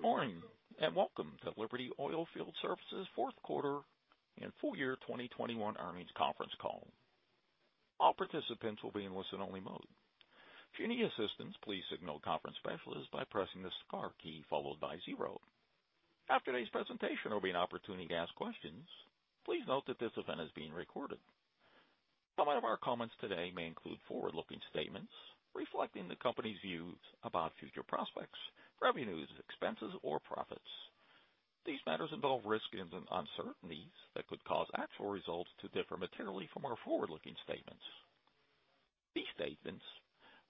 Good morning, and welcome to Liberty Oilfield Services fourth quarter and full year 2021 earnings conference call. All participants will be in listen-only mode. If you need assistance, please signal the conference specialist by pressing the star key followed by zero. After today's presentation, there'll be an opportunity to ask questions. Please note that this event is being recorded. Some of our comments today may include forward-looking statements reflecting the company's views about future prospects, revenues, expenses, or profits. These matters involve risks and uncertainties that could cause actual results to differ materially from our forward-looking statements. These statements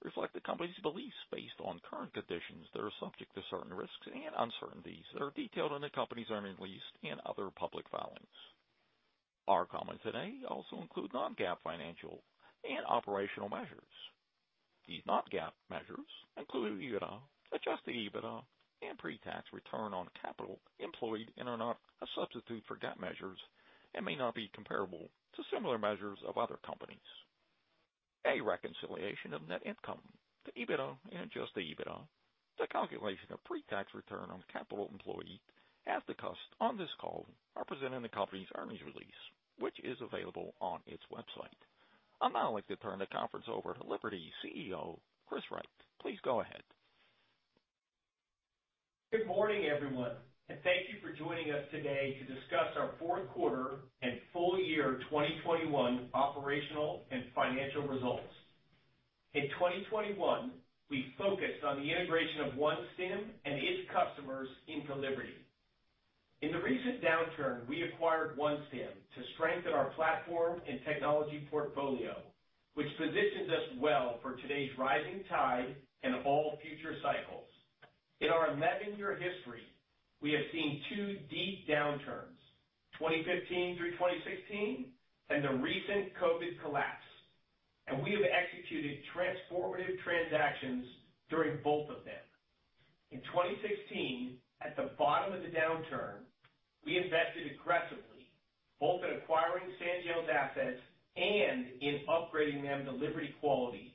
reflect the company's beliefs based on current conditions that are subject to certain risks and uncertainties that are detailed in the company's earnings release and other public filings. Our comments today also include non-GAAP financial and operational measures. These non-GAAP measures, including EBITDA, adjusted EBITDA, and pre-tax return on capital employed, are not a substitute for GAAP measures and may not be comparable to similar measures of other companies. A reconciliation of net income to EBITDA and adjusted EBITDA, the calculation of pre-tax return on capital employed, as discussed on this call, are presented in the company's earnings release, which is available on its website. I'd now like to turn the conference over to Liberty's CEO, Chris Wright. Please go ahead. Good morning, everyone, and thank you for joining us today to discuss our fourth quarter and full year 2021 operational and financial results. In 2021, we focused on the integration of OneStim and its customers into Liberty. In the recent downturn, we acquired OneStim to strengthen our platform and technology portfolio, which positions us well for today's rising tide and all future cycles. In our 11-year history, we have seen two deep downturns, 2015 through 2016 and the recent COVID collapse, and we have executed transformative transactions during both of them. In 2016, at the bottom of the downturn, we invested aggressively both in acquiring Sandhills assets and in upgrading them to Liberty quality.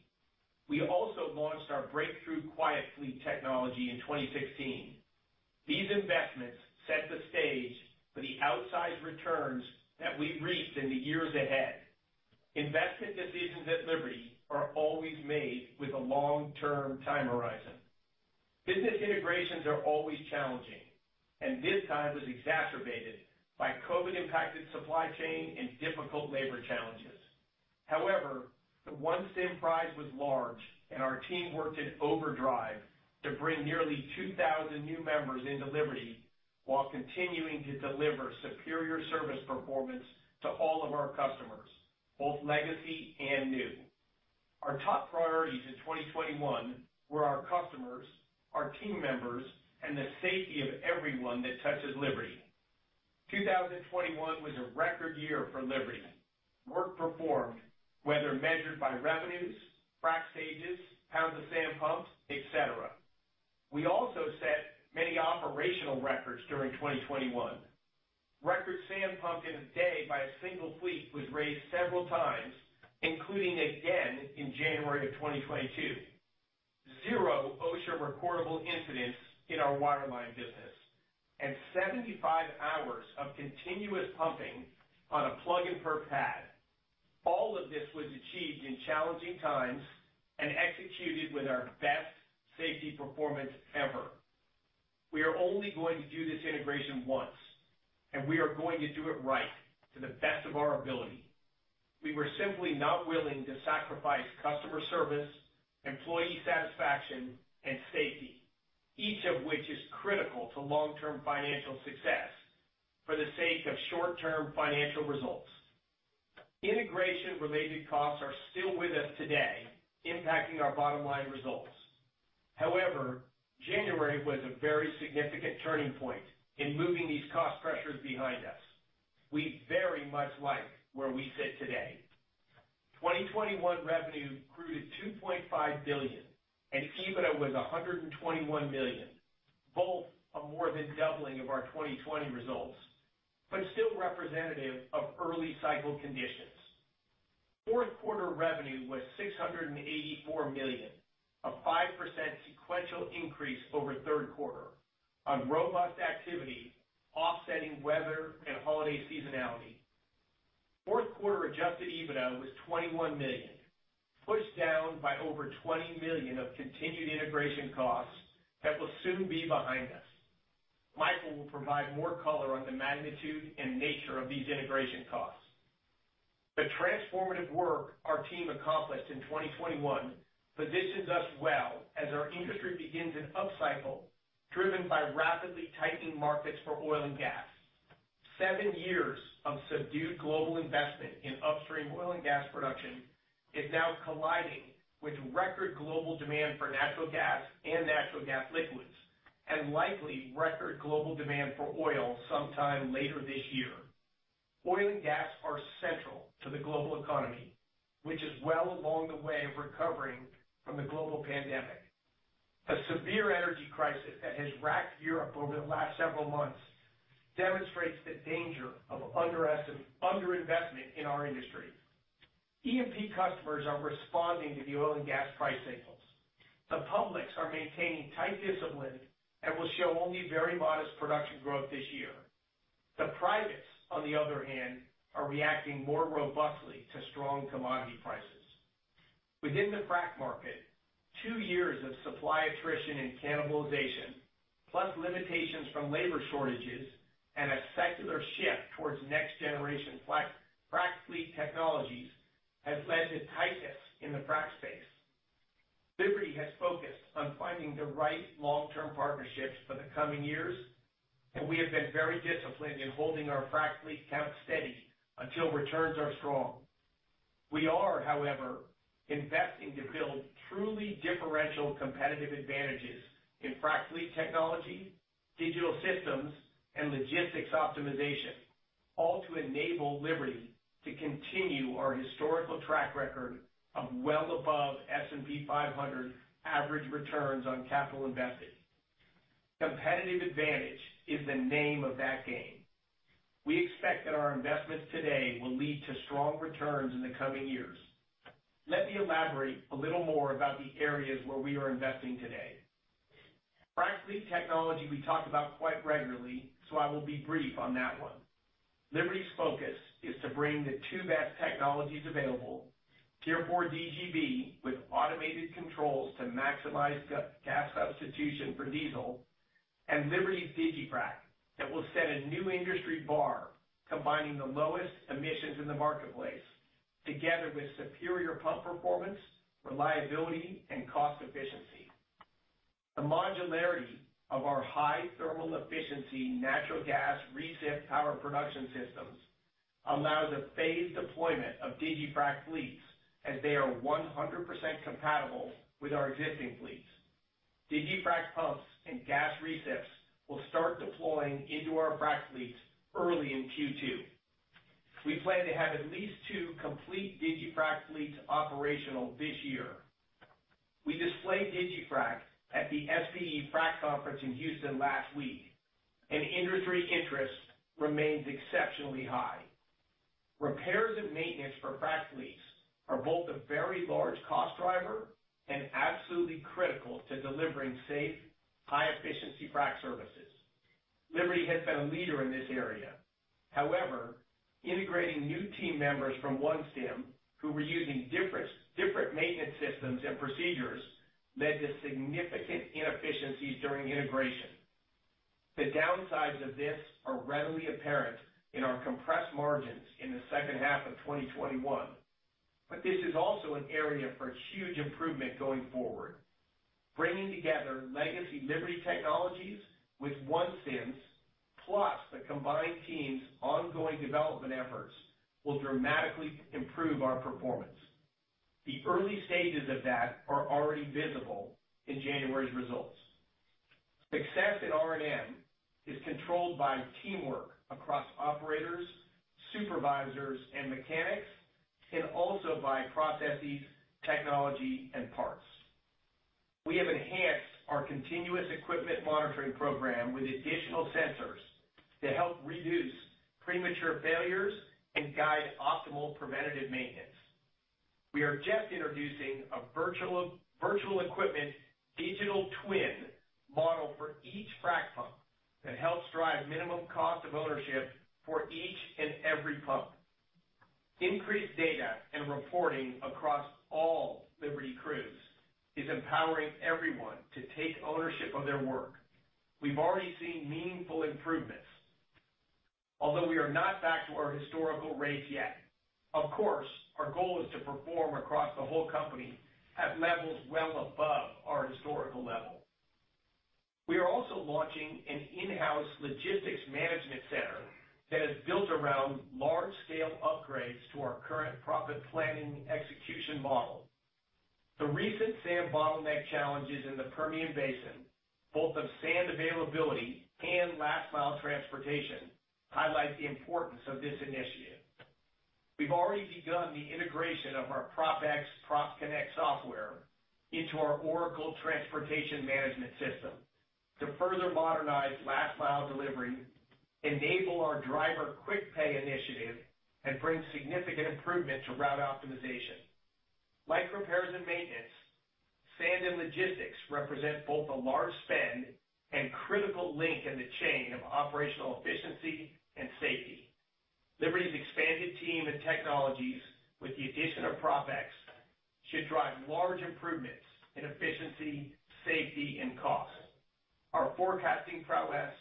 We also launched our breakthrough Quiet Fleet technology in 2016. These investments set the stage for the outsized returns that we've reaped in the years ahead. Investment decisions at Liberty are always made with a long-term time horizon. Business integrations are always challenging, and this time was exacerbated by COVID-impacted supply chain and difficult labor challenges. However, the OneStim prize was large and our team worked in overdrive to bring nearly 2,000 new members into Liberty while continuing to deliver superior service performance to all of our customers, both legacy and new. Our top priorities in 2021 were our customers, our team members, and the safety of everyone that touches Liberty. 2021 was a record year for Liberty in work performed, whether measured by revenues, frac stages, pounds of sand pumped, et cetera. We also set many operational records during 2021. The record for sand pumped in a day by a single fleet was raised several times, including again in January 2022. Zero OSHA recordable incidents in our wireline business and 75 hours of continuous pumping on a plug and perf pad. All of this was achieved in challenging times and executed with our best safety performance ever. We are only going to do this integration once, and we are going to do it right to the best of our ability. We were simply not willing to sacrifice customer service, employee satisfaction, and safety, each of which is critical to long-term financial success for the sake of short-term financial results. Integration related costs are still with us today, impacting our bottom line results. However, January was a very significant turning point in moving these cost pressures behind us. We very much like where we sit today. 2021 revenue grew to $2.5 billion and EBITDA was $121 million. Both are more than doubling of our 2020 results, but still representative of early cycle conditions. Fourth quarter revenue was $684 million, a 5% sequential increase over third quarter on robust activity offsetting weather and holiday seasonality. Fourth quarter adjusted EBITDA was $21 million, pushed down by over $20 million of continued integration costs that will soon be behind us. Michael will provide more color on the magnitude and nature of these integration costs. The transformative work our team accomplished in 2021 positions us well as our industry begins an upcycle driven by rapidly tightening markets for oil and gas. Seven years of subdued global investment in upstream oil and gas production is now colliding with record global demand for natural gas and natural gas liquids, and likely record global demand for oil sometime later this year. Oil and gas are central to the global economy, which is well along the way of recovering from the global pandemic. A severe energy crisis that has racked Europe over the last several months demonstrates the danger of under-investment in our industry. E&P customers are responding to the oil and gas price signals. The publics are maintaining tight discipline and will show only very modest production growth this year. The privates, on the other hand, are reacting more robustly to strong commodity prices. Within the frack market, 2 years of supply attrition and cannibalization, plus limitations from labor shortages and a secular shift towards next generation frack fleet technologies has led to tightness in the frack space. Liberty has focused on finding the right long-term partnerships for the coming years, and we have been very disciplined in holding our frack fleet count steady until returns are strong. We are, however, investing to build truly differential competitive advantages in frac fleet technology, digital systems, and logistics optimization, all to enable Liberty to continue our historical track record of well above S&P 500 average returns on capital invested. Competitive advantage is the name of that game. We expect that our investments today will lead to strong returns in the coming years. Let me elaborate a little more about the areas where we are investing today. Frac fleet technology we talk about quite regularly, so I will be brief on that one. Liberty's focus is to bring the two best technologies available, Tier 4 DGB with automated controls to maximize NG gas substitution for diesel and Liberty's digiFrac that will set a new industry bar, combining the lowest emissions in the marketplace together with superior pump performance, reliability, and cost efficiency. The modularity of our high thermal efficiency natural gas recip power production systems allows a phased deployment of digiFrac fleets as they are 100% compatible with our existing fleets. digiFrac pumps and gas recips will start deploying into our frac fleets early in Q2. We plan to have at least two complete digiFrac fleets operational this year. We displayed digiFrac at the SPE Frac Conference in Houston last week, and industry interest remains exceptionally high. Repairs and maintenance for frac fleets are both a very large cost driver and absolutely critical to delivering safe, high-efficiency frac services. Liberty has been a leader in this area. However, integrating new team members from OneStim who were using different maintenance systems and procedures led to significant inefficiencies during integration. The downsides of this are readily apparent in our compressed margins in the second half of 2021. This is also an area for huge improvement going forward. Bringing together legacy Liberty technologies with OneStim's, plus the combined team's ongoing development efforts will dramatically improve our performance. The early stages of that are already visible in January's results. Success in R&M is controlled by teamwork across operators, supervisors, and mechanics, and also by processes, technology, and parts. We have enhanced our continuous equipment monitoring program with additional sensors to help reduce premature failures and guide optimal preventative maintenance. We are just introducing a virtual equipment digital twin model for each frac pump that helps drive minimum cost of ownership for each and every pump. Increased data and reporting across all Liberty crews is empowering everyone to take ownership of their work. We've already seen meaningful improvements, although we are not back to our historical rates yet. Of course, our goal is to perform across the whole company at levels well above our historical level. We are also launching an in-house logistics management center that is built around large scale upgrades to our current PropConnect planning execution model. The recent sand bottleneck challenges in the Permian Basin, both of sand availability and last mile transportation, highlight the importance of this initiative. We've already begun the integration of our PropX PropConnect software into our Oracle Transportation Management system to further modernize last mile delivery, enable our driver quick pay initiative, and bring significant improvement to route optimization. Like repairs and maintenance, sand and logistics represent both a large spend and critical link in the chain of operational efficiency and safety. Liberty's expanded team and technologies with the addition of PropX should drive large improvements in efficiency, safety, and cost. Our forecasting prowess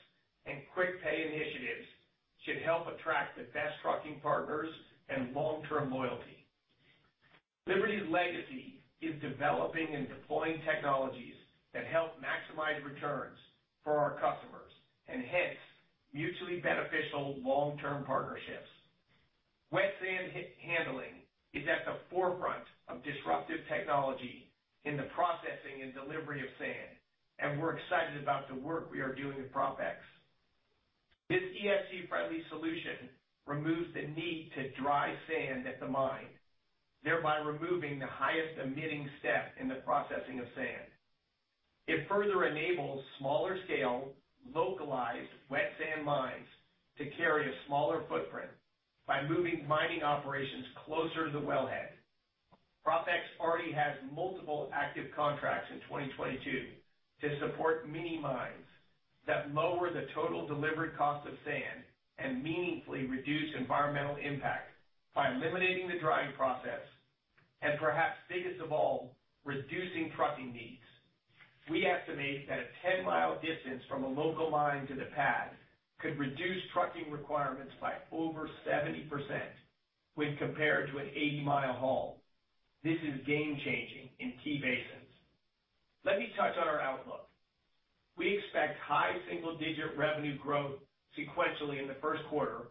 and quick pay initiatives should help attract the best trucking partners and long-term loyalty. Liberty's legacy is developing and deploying technologies that help maximize returns for our customers and hence, mutually beneficial long-term partnerships. Wet sand handling is at the forefront of disruptive technology in the processing and delivery of sand, and we're excited about the work we are doing with PropX. This ESG friendly solution removes the need to dry sand at the mine, thereby removing the highest emitting step in the processing of sand. It further enables smaller scale, localized wet sand mines to carry a smaller footprint by moving mining operations closer to the wellhead. PropX already has multiple active contracts in 2022 to support mini mines that lower the total delivered cost of sand and meaningfully reduce environmental impact by eliminating the drying process and perhaps biggest of all, reducing trucking needs. We estimate that a 10-mi distance from a local mine to the pad could reduce trucking requirements by over 70% when compared to an 80-mi haul. This is game-changing in key basins. Let me touch on our outlook. We expect high single-digit revenue growth sequentially in the first quarter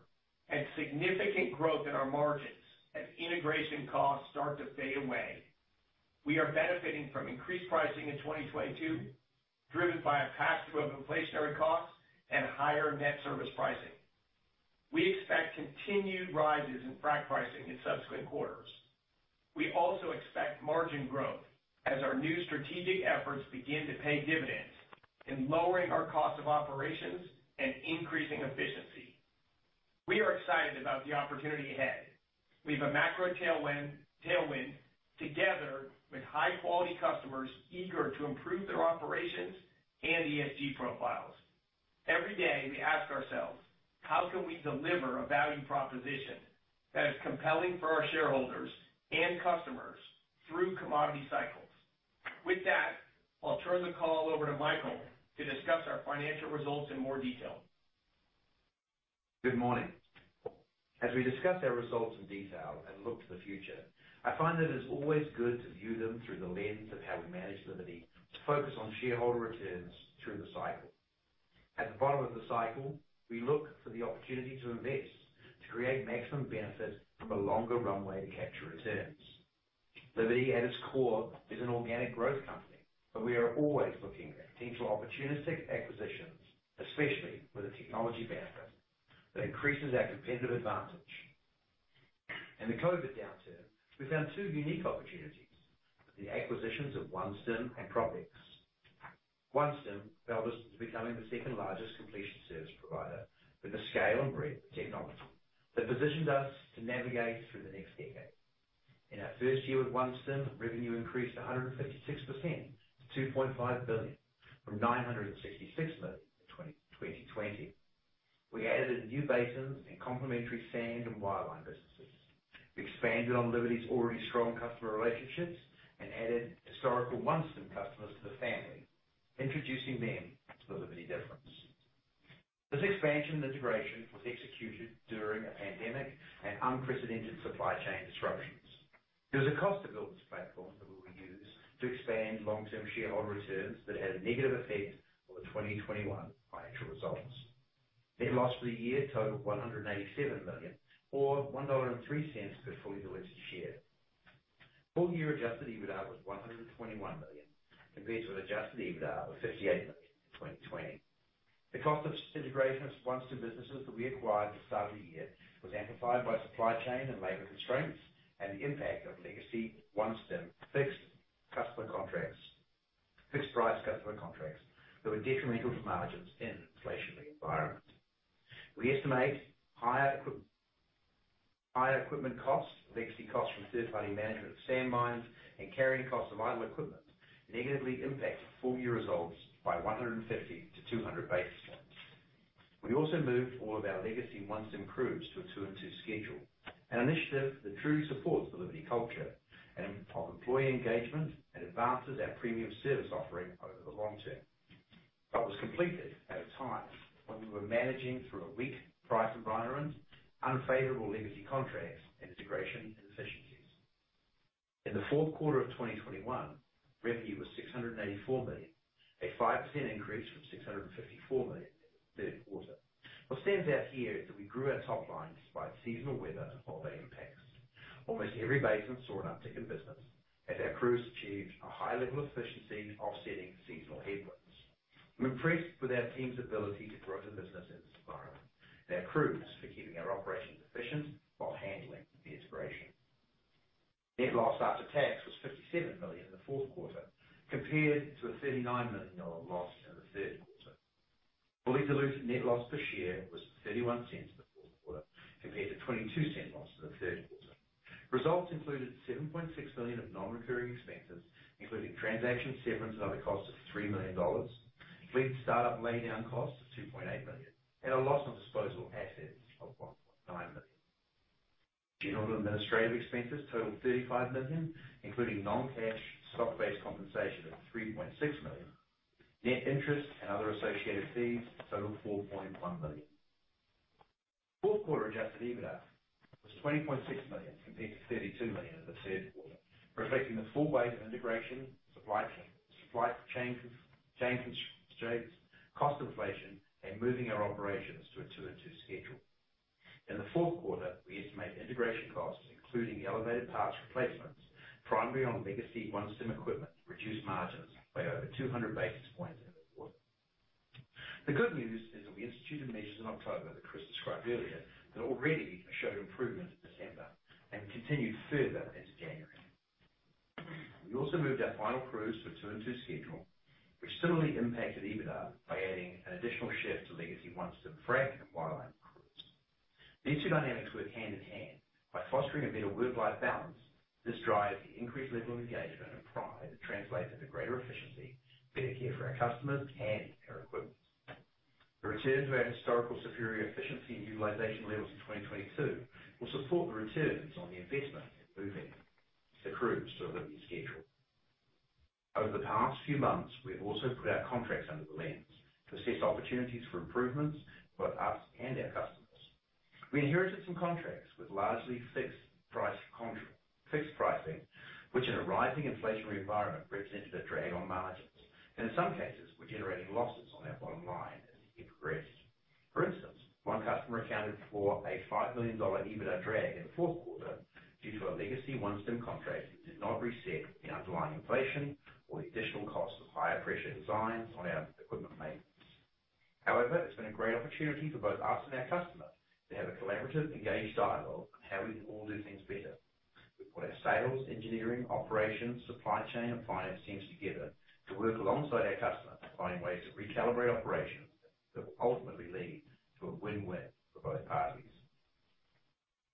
and significant growth in our margins as integration costs start to fade away. We are benefiting from increased pricing in 2022, driven by a pass-through of inflationary costs and higher net service pricing. We expect continued rises in frac pricing in subsequent quarters. We also expect margin growth as our new strategic efforts begin to pay dividends in lowering our cost of operations and increasing efficiency. We are excited about the opportunity ahead. We have a macro tailwind together with high quality customers eager to improve their operations and ESG profiles. Every day, we ask ourselves, "How can we deliver a value proposition that is compelling for our shareholders and customers through commodity cycles?" With that, I'll turn the call over to Michael to discuss our financial results in more detail. Good morning. As we discuss our results in detail and look to the future, I find that it's always good to view them through the lens of how we manage Liberty to focus on shareholder returns through the cycle. At the bottom of the cycle, we look for the opportunity to invest to create maximum benefit from a longer runway to capture returns. Liberty, at its core, is an organic growth company, but we are always looking at potential opportunistic acquisitions, especially with the technology benefit that increases our competitive advantage. In the COVID downturn, we found two unique opportunities with the acquisitions of OneStim and PropX. OneStim helped us to becoming the second largest completion service provider with the scale and breadth of technology that positions us to navigate through the next decade. In our 1st year with OneStim, revenue increased 156% to $2.5 billion from $966 million in 2020. We added new basins and complementary sand and wireline businesses. We expanded on Liberty's already strong customer relationships and added historical OneStim customers to the family, introducing them to the Liberty difference. This expansion integration was executed during a pandemic and unprecedented supply chain disruptions. There was a cost to build this platform that we will use to expand long-term shareholder returns that had a negative effect on the 2021 financial results. Net loss for the year totaled $187 million or $1.03 per fully diluted share. Full year adjusted EBITDA was $121 million, compared to adjusted EBITDA of $58 million in 2020. The cost of integration of OneStim businesses that we acquired at the start of the year was amplified by supply chain and labor constraints and the impact of legacy OneStim fixed-price customer contracts, fixed-price customer contracts that were detrimental to margins in an inflationary environment. We estimate higher equipment costs, legacy costs from third-party management of sand mines, and carrying costs of idle equipment negatively impacted full-year results by 150-200 basis points. We also moved all of our legacy OneStim crews to a two and two schedule, an initiative that truly supports the Liberty culture and of employee engagement and advances our premium service offering over the long term. It was completed at a time when we were managing through a weak price environment, unfavorable legacy contracts and integration inefficiencies. In the fourth quarter of 2021, revenue was $684 million, a 5% increase from $654 million in the third quarter. What stands out here is that we grew our top line despite seasonal weather and COVID impacts. Almost every basin saw an uptick in business as our crews achieved a high level of efficiency offsetting seasonal headwinds. I'm impressed with our team's ability to grow the business in this environment and our crews for keeping our operations efficient while handling the integration. Net loss after tax was $57 million in the fourth quarter compared to a $39 million loss in the third quarter. Fully diluted net loss per share was $0.31 in the fourth quarter compared to a $0.22 loss in the third quarter. Results included $7.6 million of non-recurring expenses, including transaction severance and other costs of $3 million, fleet startup laydown costs of $2.8 million, and a loss on disposal assets of $1.9 million. General and administrative expenses totaled $35 million, including non-cash stock-based compensation of $3.6 million. Net interest and other associated fees totaled $4.1 million. Fourth quarter adjusted EBITDA was $20.6 million compared to $32 million in the third quarter, reflecting the full weight of integration, supply chain, supply changes, change in constraints, cost inflation, and moving our operations to a two and two schedule. In the fourth quarter, we estimate integration costs, including elevated parts replacements, primarily on legacy OneStim equipment, reduced margins by over 200 basis points in the quarter. The good news is that we instituted measures in October that Chris described earlier that already showed improvement in December and continued further into January. We also moved our final crews to a two and two schedule, which similarly impacted EBITDA by adding an additional shift to legacy OneStim frac and wireline crews. These two dynamics work hand in hand by fostering a better work-life balance. This drives the increased level of engagement and pride that translates into greater efficiency, better care for our customers and our equipment. The return to our historical superior efficiency and utilization levels in 2022 will support the returns on the investment in moving the crews to a weekly schedule. Over the past few months, we have also put our contracts under the lens to assess opportunities for improvements for us and our customers. We inherited some contracts with largely fixed pricing, which in a rising inflationary environment represented a drag on margins and in some cases were generating losses on our bottom line as it progressed. For instance, one customer accounted for a $5 million EBITDA drag in the fourth quarter due to a legacy OneStim contract that did not reset the underlying inflation or the additional cost of higher pressure designs on our equipment maintenance. However, it's been a great opportunity for both us and our customer to have a collaborative, engaged dialogue on how we can all do things better. We've put our sales, engineering, operations, supply chain, and finance teams together to work alongside our customers to find ways to recalibrate operations that will ultimately lead to a win-win for both parties.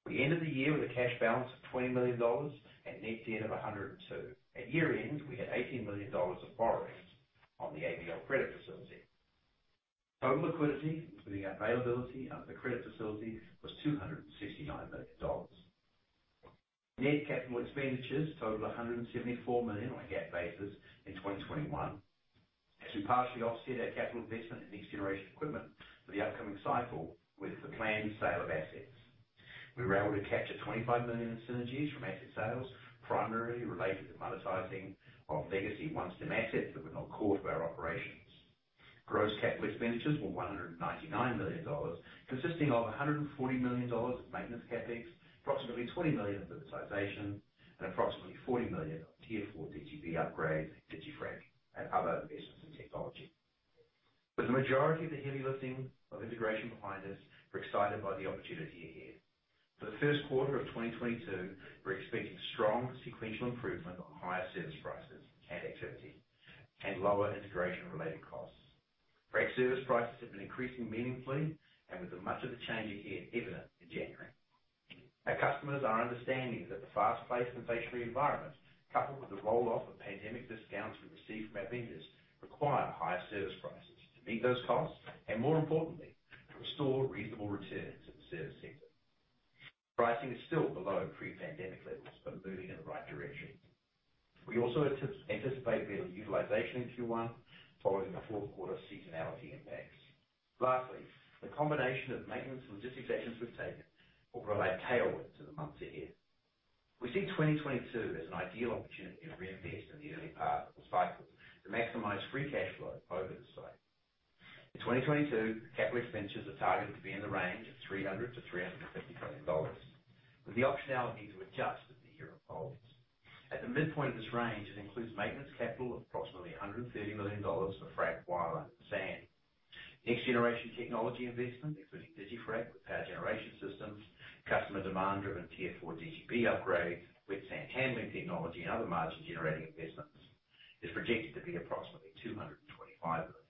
We ended the year with a cash balance of $20 million and net debt of $102 million. At year-end, we had $18 million of borrowings on the ABL credit facility. Total liquidity, including availability under the credit facility, was $269 million. Net capital expenditures totaled $174 million on a GAAP basis in 2021. We partially offset our capital investment in next generation equipment for the upcoming cycle with the planned sale of assets. We were able to capture $25 million in synergies from asset sales, primarily related to monetizing of legacy OneStim assets that were not core to our operations. Gross CapEx was $199 million, consisting of $140 million of maintenance CapEx, approximately $20 million of monetization, and approximately $40 million of Tier 4 DGB upgrades, digiFrac, and other investments in technology. With the majority of the heavy lifting of integration behind us, we're excited by the opportunity ahead. For the first quarter of 2022, we're expecting strong sequential improvement on higher service prices and activity and lower integration related costs. Frac service prices have been increasing meaningfully and with much of the change in here evident in January. Our customers are understanding that the fast-paced inflationary environment, coupled with the roll off of pandemic discounts we received from our vendors, require higher service prices to meet those costs and more importantly, to restore reasonable returns in the service sector. Pricing is still below pre-pandemic levels, but moving in the right direction. We also anticipate better utilization in Q1 following the fourth quarter seasonality impacts. Lastly, the combination of maintenance and discipline actions we've taken will provide tailwind to the months ahead. We see 2022 as an ideal opportunity to reinvest in the early part of the cycle to maximize free cash flow over the cycle. In 2022, capital expenditures are targeted to be in the range of $300 million-$350 million, with the optionality to adjust as the year evolves. At the midpoint of this range, it includes maintenance capital of approximately $130 million for frac, wire, and sand. Next-generation technology investment, including digiFrac with power generation systems, customer demand driven Tier 4 DGB upgrades, wet sand handling technology, and other margin generating investments, is projected to be approximately $225 million.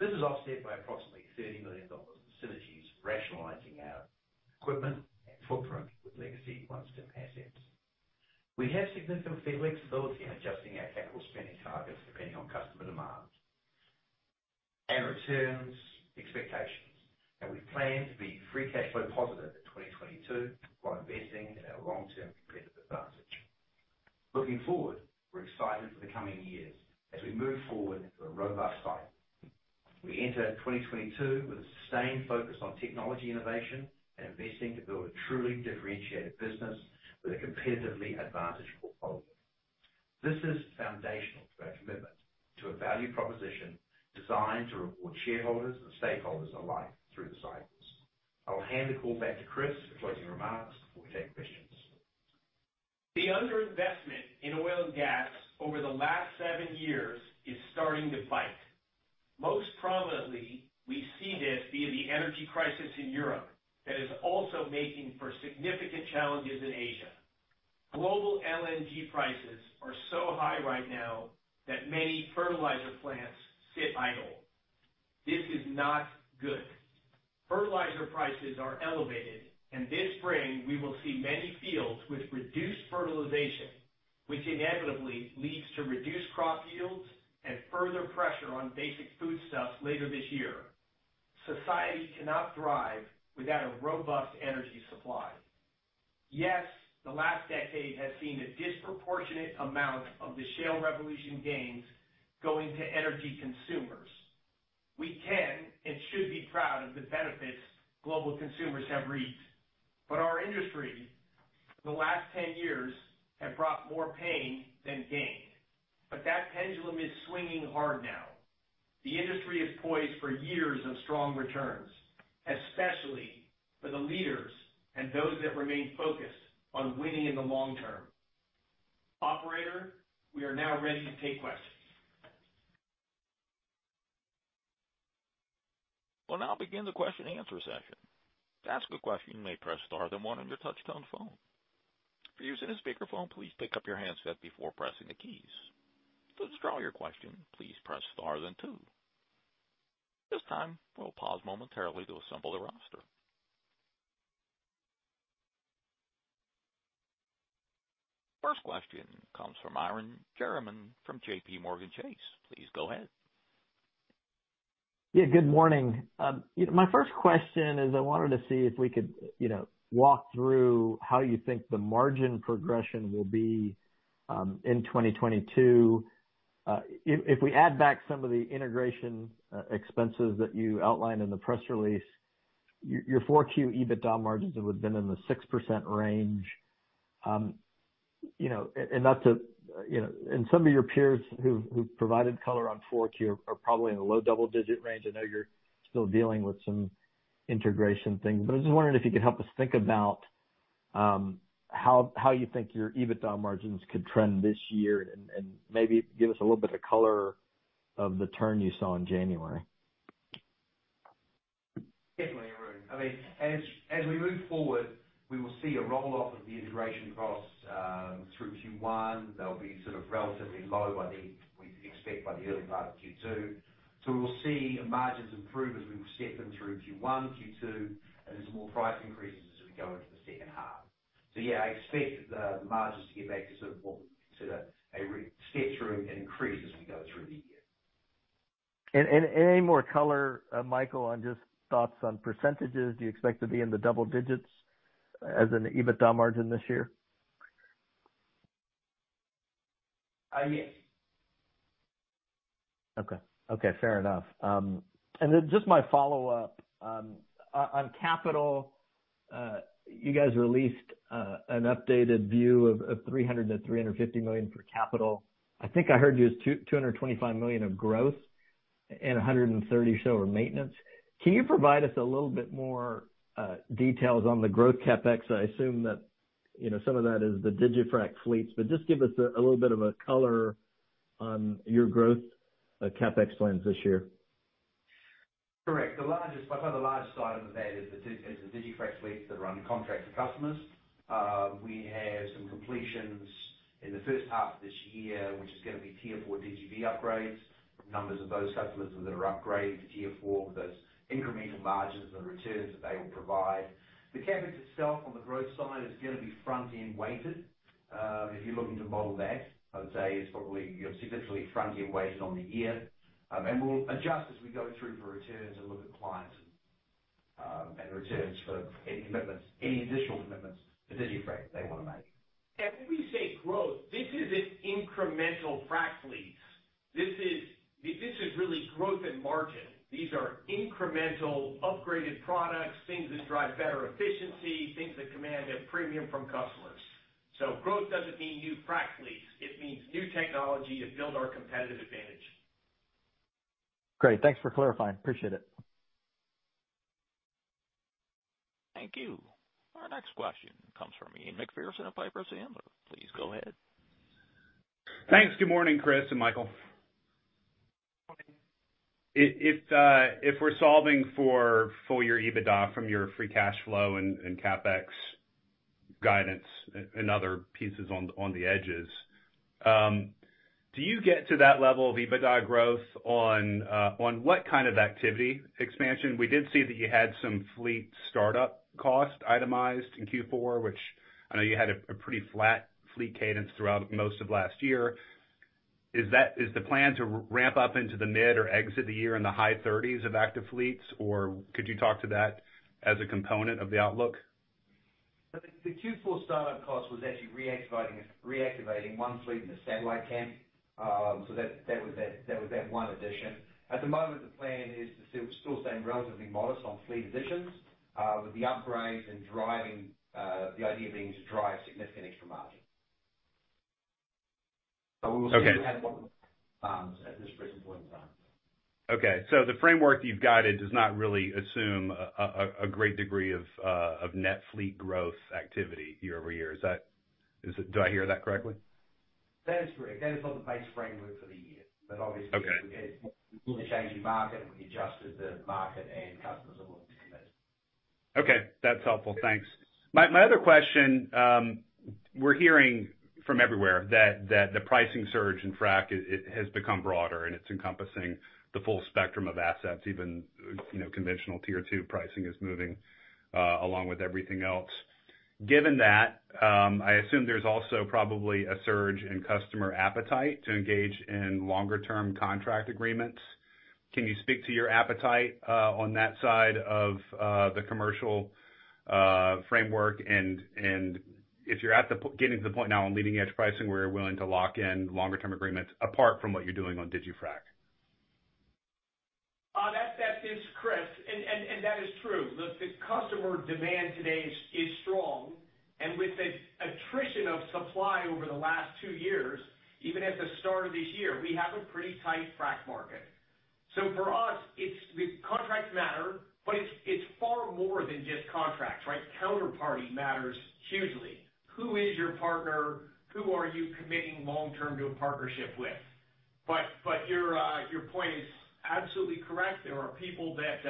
This is offset by approximately $30 million of synergies rationalizing our equipment and footprint with Legacy OneStim assets. We have significant flexibility in adjusting our capital spending targets depending on customer demand and returns expectations, and we plan to be free cash flow positive in 2022 while investing in our long-term competitive advantage. Looking forward, we're excited for the coming years as we move forward into a robust cycle. We enter 2022 with a sustained focus on technology innovation and investing to build a truly differentiated business with a competitively advantaged portfolio. This is foundational to our commitment to a value proposition designed to reward shareholders and stakeholders alike through the cycles. I'll hand the call back to Chris for closing remarks before we take questions. The underinvestment in oil and gas over the last 7 years is starting to bite. Most prominently, we see this via the energy crisis in Europe that is also making for significant challenges in Asia. Global LNG prices are so high right now that many fertilizer plants sit idle. This is not good. Fertilizer prices are elevated, and this spring we will see many fields with reduced fertilization, which inevitably leads to reduced crop yields and further pressure on basic foodstuffs later this year. Society cannot thrive without a robust energy supply. Yes, the last decade has seen a disproportionate amount of the shale revolution gains going to energy consumers. We can and should be proud of the benefits global consumers have reaped. Our industry, the last 10 years have brought more pain than gain. That pendulum is swinging hard now. The industry is poised for years of strong returns, especially for the leaders and those that remain focused on winning in the long term. Operator, we are now ready to take questions. We'll now begin the question and answer session. To ask a question, you may press star then one on your touchtone phone. If you're using a speakerphone, please pick up your handset before pressing the keys. To withdraw your question, please press star then two. At this time, we'll pause momentarily to assemble the roster. First question comes from Arun Jayaram from JPMorgan Chase. Please go ahead. Yeah, good morning. You know, my first question is I wanted to see if we could, you know, walk through how you think the margin progression will be in 2022. If we add back some of the integration expenses that you outlined in the press release, your 4Q EBITDA margins would have been in the 6% range. Some of your peers who provided color on 4Q are probably in the low double-digit range. I know you're still dealing with some integration things, but I was just wondering if you could help us think about how you think your EBITDA margins could trend this year and maybe give us a little bit of color on the turn you saw in January. Definitely, Arun. I mean, as we move forward, we will see a roll-off of the integration costs through Q1. They'll be sort of relatively low, we expect by the early part of Q2. We'll see margins improve as we step in through Q1, Q2, and some more price increases as we go into the second half. Yeah, I expect the margins to get back to sort of what we consider a step through increase as we go through the year. Any more color, Michael, on just thoughts on percentages? Do you expect to be in the double digits as an EBITDA margin this year? Yes. Okay. Okay, fair enough. Just my follow-up, on capital, you guys released an updated view of $300 million-$350 million for capital. I think I heard you as $225 million of growth and $130 or so of maintenance. Can you provide us a little bit more details on the growth CapEx? I assume that, you know, some of that is the digiFrac fleets, but just give us a little bit of a color on your growth CapEx plans this year. Correct. By far the largest item of that is the digiFrac fleets that are under contract to customers. We have some completions in the first half of this year, which is gonna be Tier 4 DGB upgrades. Numbers of those customers that are upgrading to Tier 4, those incremental margins and returns that they will provide. The CapEx itself on the growth side is gonna be front-end weighted. If you're looking to model that, I would say it's probably, you know, significantly front-end weighted on the year. We'll adjust as we go through for returns and look at clients, and returns for any commitments, any additional commitments to digiFrac they wanna make. When we say growth, this isn't incremental frac fleets. This is really growth and margin. These are incremental upgraded products, things that drive better efficiency, things that command a premium from customers. Growth doesn't mean new frac fleets. It means new technology to build our competitive advantage. Great. Thanks for clarifying. Appreciate it. Thank you. Our next question comes from Ian Macpherson of Piper Sandler. Please go ahead. Thanks. Good morning, Chris and Michael. Morning. If we're solving for full year EBITDA from your free cash flow and CapEx guidance and other pieces on the edges, do you get to that level of EBITDA growth on what kind of activity expansion? We did see that you had some fleet startup costs itemized in Q4, which I know you had a pretty flat fleet cadence throughout most of last year. Is the plan to ramp up into the mid or exit the year in the high thirties of active fleets? Or could you talk to that as a component of the outlook? The Q4 startup cost was actually reactivating one fleet in the White Sand camp. That was that one addition. At the moment, the plan is to still staying relatively modest on fleet additions, with the upgrades and driving the idea being to drive significant extra margin. We will see, at this present point in time. Okay. The framework that you've guided does not really assume a great degree of net fleet growth activity year-over-year. Do I hear that correctly? That is correct. That is on the base framework for the year. Okay. Obviously, we're in a changing market, and we adjust as the market and customers are looking to commit. Okay. That's helpful. Thanks. My other question, we're hearing from everywhere that the pricing surge in frac, it has become broader, and it's encompassing the full spectrum of assets. Even, you know, conventional tier two pricing is moving along with everything else. Given that, I assume there's also probably a surge in customer appetite to engage in longer term contract agreements. Can you speak to your appetite on that side of the commercial framework? And if you're getting to the point now on leading edge pricing, where you're willing to lock in longer term agreements apart from what you're doing on digiFrac. That is correct. That is true. The customer demand today is strong. With the attrition of supply over the last 2 years, even at the start of this year, we have a pretty tight frack market. For us, it's the contracts matter, but it's far more than just contracts, right? Counterparty matters hugely. Who is your partner? Who are you committing long-term to a partnership with? Your point is absolutely correct. There are people that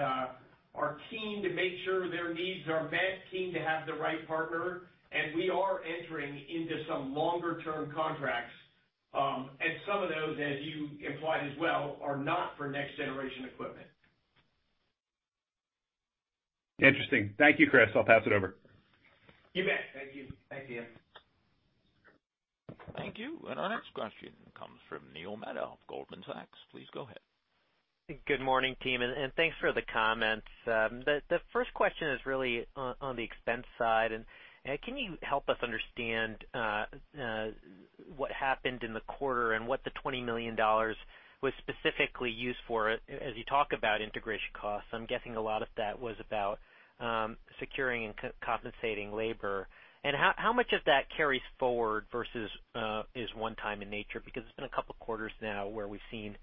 are keen to make sure their needs are met, keen to have the right partner, and we are entering into some longer-term contracts. Some of those, as you implied as well, are not for next-generation equipment. Interesting. Thank you, Chris. I'll pass it over. You bet. Thank you. Thank you. Thank you. Our next question comes from Neil Mehta of Goldman Sachs. Please go ahead. Good morning, team, and thanks for the comments. The first question is really on the expense side. Can you help us understand what happened in the quarter and what the $20 million was specifically used for, as you talk about integration costs. I'm guessing a lot of that was about securing and co-compensating labor. How much of that carries forward versus is one time in nature? Because it's been a couple quarters now where we've seen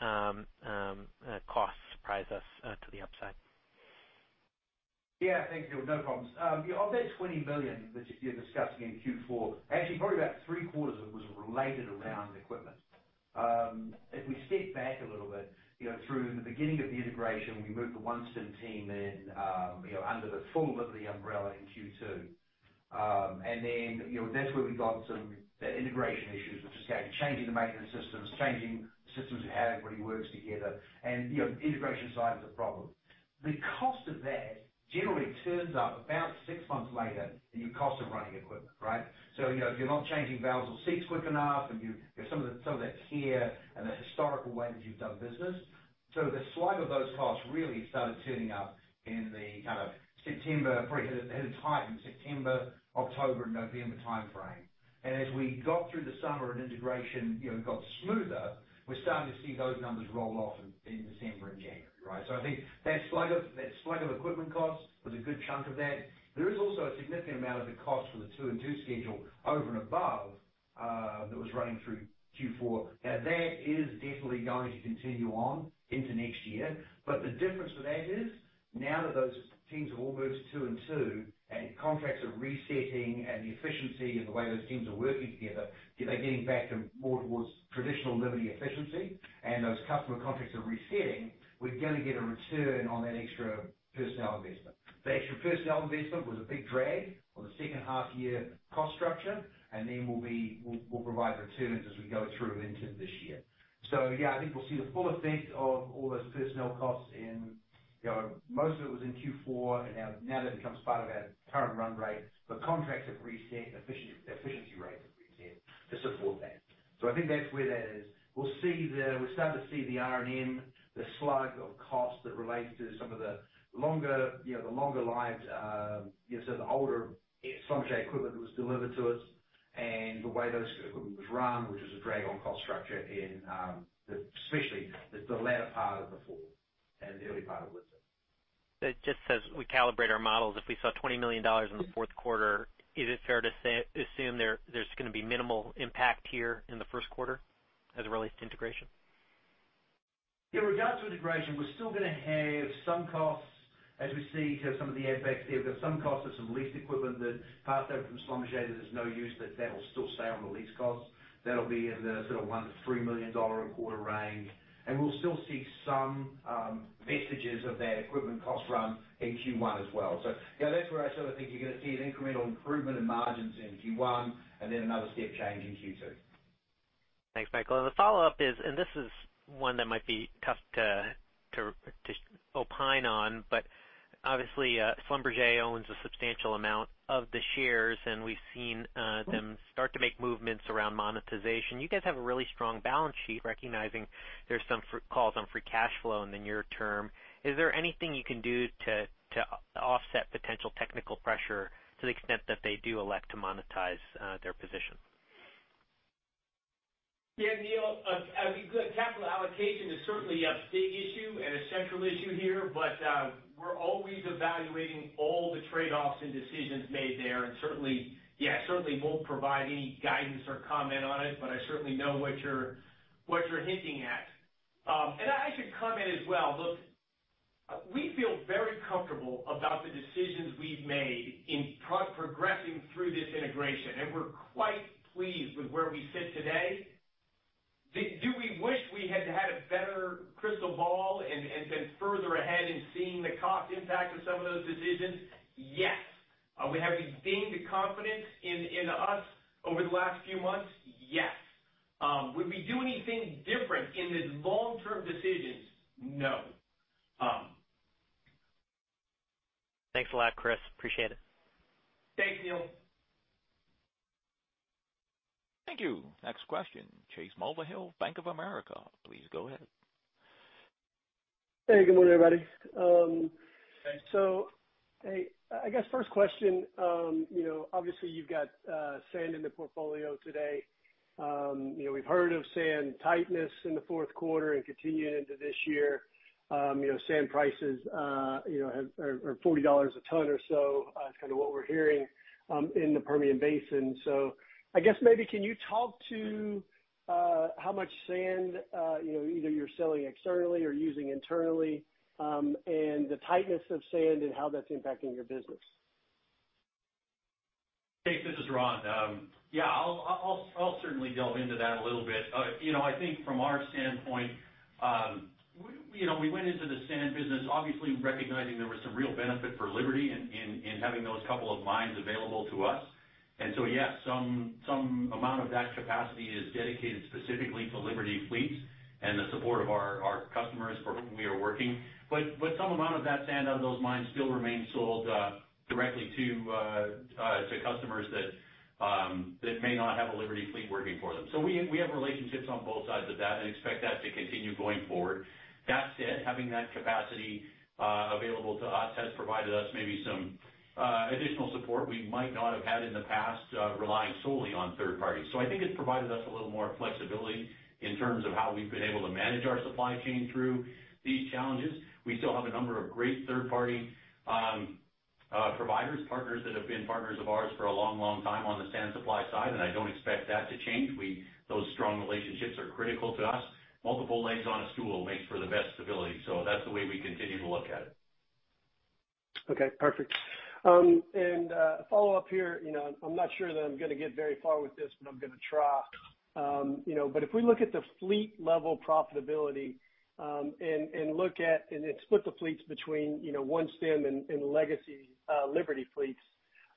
costs surprise us to the upside. Yeah, thanks, Neil. No problems. Of that $20 billion that you're discussing in Q4, actually probably about three-quarters of it was related around equipment. If we step back a little bit, you know, through the beginning of the integration, we moved the OneStim team in, you know, under the full Liberty umbrella in Q2. Then, you know, that's where we got some of the integration issues, which is changing the maintenance systems, changing systems of how everybody works together. You know, the integration side was a problem. The cost of that generally turns up about six months later in your cost of running equipment, right? You know, if you're not changing valves or seats quick enough, and some of that's here and the historical way that you've done business. The slug of those costs really started turning up in the kind of September, it hit high in September, October, November timeframe. As we got through the summer and integration, you know, got smoother, we're starting to see those numbers roll off in December and January, right? I think that slug of equipment costs was a good chunk of that. There is also a significant amount of the cost for the two-and-two schedule over and above that was running through Q4. Now, that is definitely going to continue on into next year. The difference with that is now that those teams have all moved to two and two, and contracts are resetting and the efficiency and the way those teams are working together, they're getting back to more towards traditional Liberty efficiency and those customer contracts are resetting, we're gonna get a return on that extra personnel investment. The extra personnel investment was a big drag on the second half year cost structure, and then we'll provide returns as we go through into this year. Yeah, I think we'll see the full effect of all those personnel costs in, you know, most of it was in Q4, and now that becomes part of our current run rate. The contracts have reset, efficiency rates have reset to support that. I think that's where that is. We'll see the, we're starting to see the R&M, the slug of costs that relates to some of the longer lives, you know, so the older Schlumberger equipment was delivered to us and the way those equipment was run, which was a drag on cost structure in, especially the latter part of the fourth and the early part of this year. Just as we calibrate our models, if we saw $20 million in the fourth quarter, is it fair to say, assume there's gonna be minimal impact here in the first quarter as it relates to integration? In regards to integration, we're still gonna have some costs as we see some of the impacts there. We've got some costs of some leased equipment that passed over from Schlumberger that is no use, but that will still stay on the lease costs. That'll be in the sort of $1 million-$3 million a quarter range. We'll still see some vestiges of that equipment cost run in Q1 as well. You know, that's where I sort of think you're gonna see an incremental improvement in margins in Q1 and then another step change in Q2. Thanks, Michael. The follow-up is, and this is one that might be tough to opine on, but obviously, Schlumberger owns a substantial amount of the shares, and we've seen them start to make movements around monetization. You guys have a really strong balance sheet, recognizing there's some calls on free cash flow in the near term. Is there anything you can do to offset potential technical pressure to the extent that they do elect to monetize their position? Yeah, Neil, capital allocation is certainly a big issue and a central issue here, but, we're always evaluating all the trade-offs and decisions made there. Certainly, yeah, certainly won't provide any guidance or comment on it, but I certainly know what you're hinting at. I should comment as well. Look, we feel very comfortable about the decisions we've made in progressing through this integration, and we're quite pleased with where we sit today. Do we wish we had a better crystal ball and been further ahead in seeing the cost impact of some of those decisions? Yes. We have gained the confidence in us over the last few months? Yes. Would we do anything different in the long-term decisions? No. Thanks a lot, Chris. Appreciate it. Thanks, Neil. Thank you. Next question, Chase Mulvehill, Bank of America. Please go ahead. Hey, good morning, everybody. Hey, I guess first question, you know, obviously you've got sand in the portfolio today. You know, we've heard of sand tightness in the fourth quarter and continuing into this year. You know, sand prices, you know, are $40 a ton or so is kinda what we're hearing in the Permian Basin. I guess maybe can you talk to how much sand, you know, either you're selling externally or using internally, and the tightness of sand and how that's impacting your business? Chase, this is Ron. Yeah, I'll certainly delve into that a little bit. You know, I think from our standpoint, we went into the sand business obviously recognizing there was some real benefit for Liberty in having those couple of mines available to us. Yes, some amount of that capacity is dedicated specifically to Liberty fleets and the support of our customers for whom we are working. But some amount of that sand out of those mines still remains sold directly to customers that may not have a Liberty fleet working for them. We have relationships on both sides of that and expect that to continue going forward. That said, having that capacity available to us has provided us maybe some additional support we might not have had in the past relying solely on third parties. I think it's provided us a little more flexibility in terms of how we've been able to manage our supply chain through these challenges. We still have a number of great third party providers, partners that have been partners of ours for a long, long time on the sand supply side, and I don't expect that to change. Those strong relationships are critical to us. Multiple legs on a stool make for the best stability, so that's the way we continue to look at it. Okay, perfect. Follow up here. You know, I'm not sure that I'm gonna get very far with this, but I'm gonna try. You know, if we look at the fleet level profitability and then split the fleets between OneStim and legacy Liberty fleets.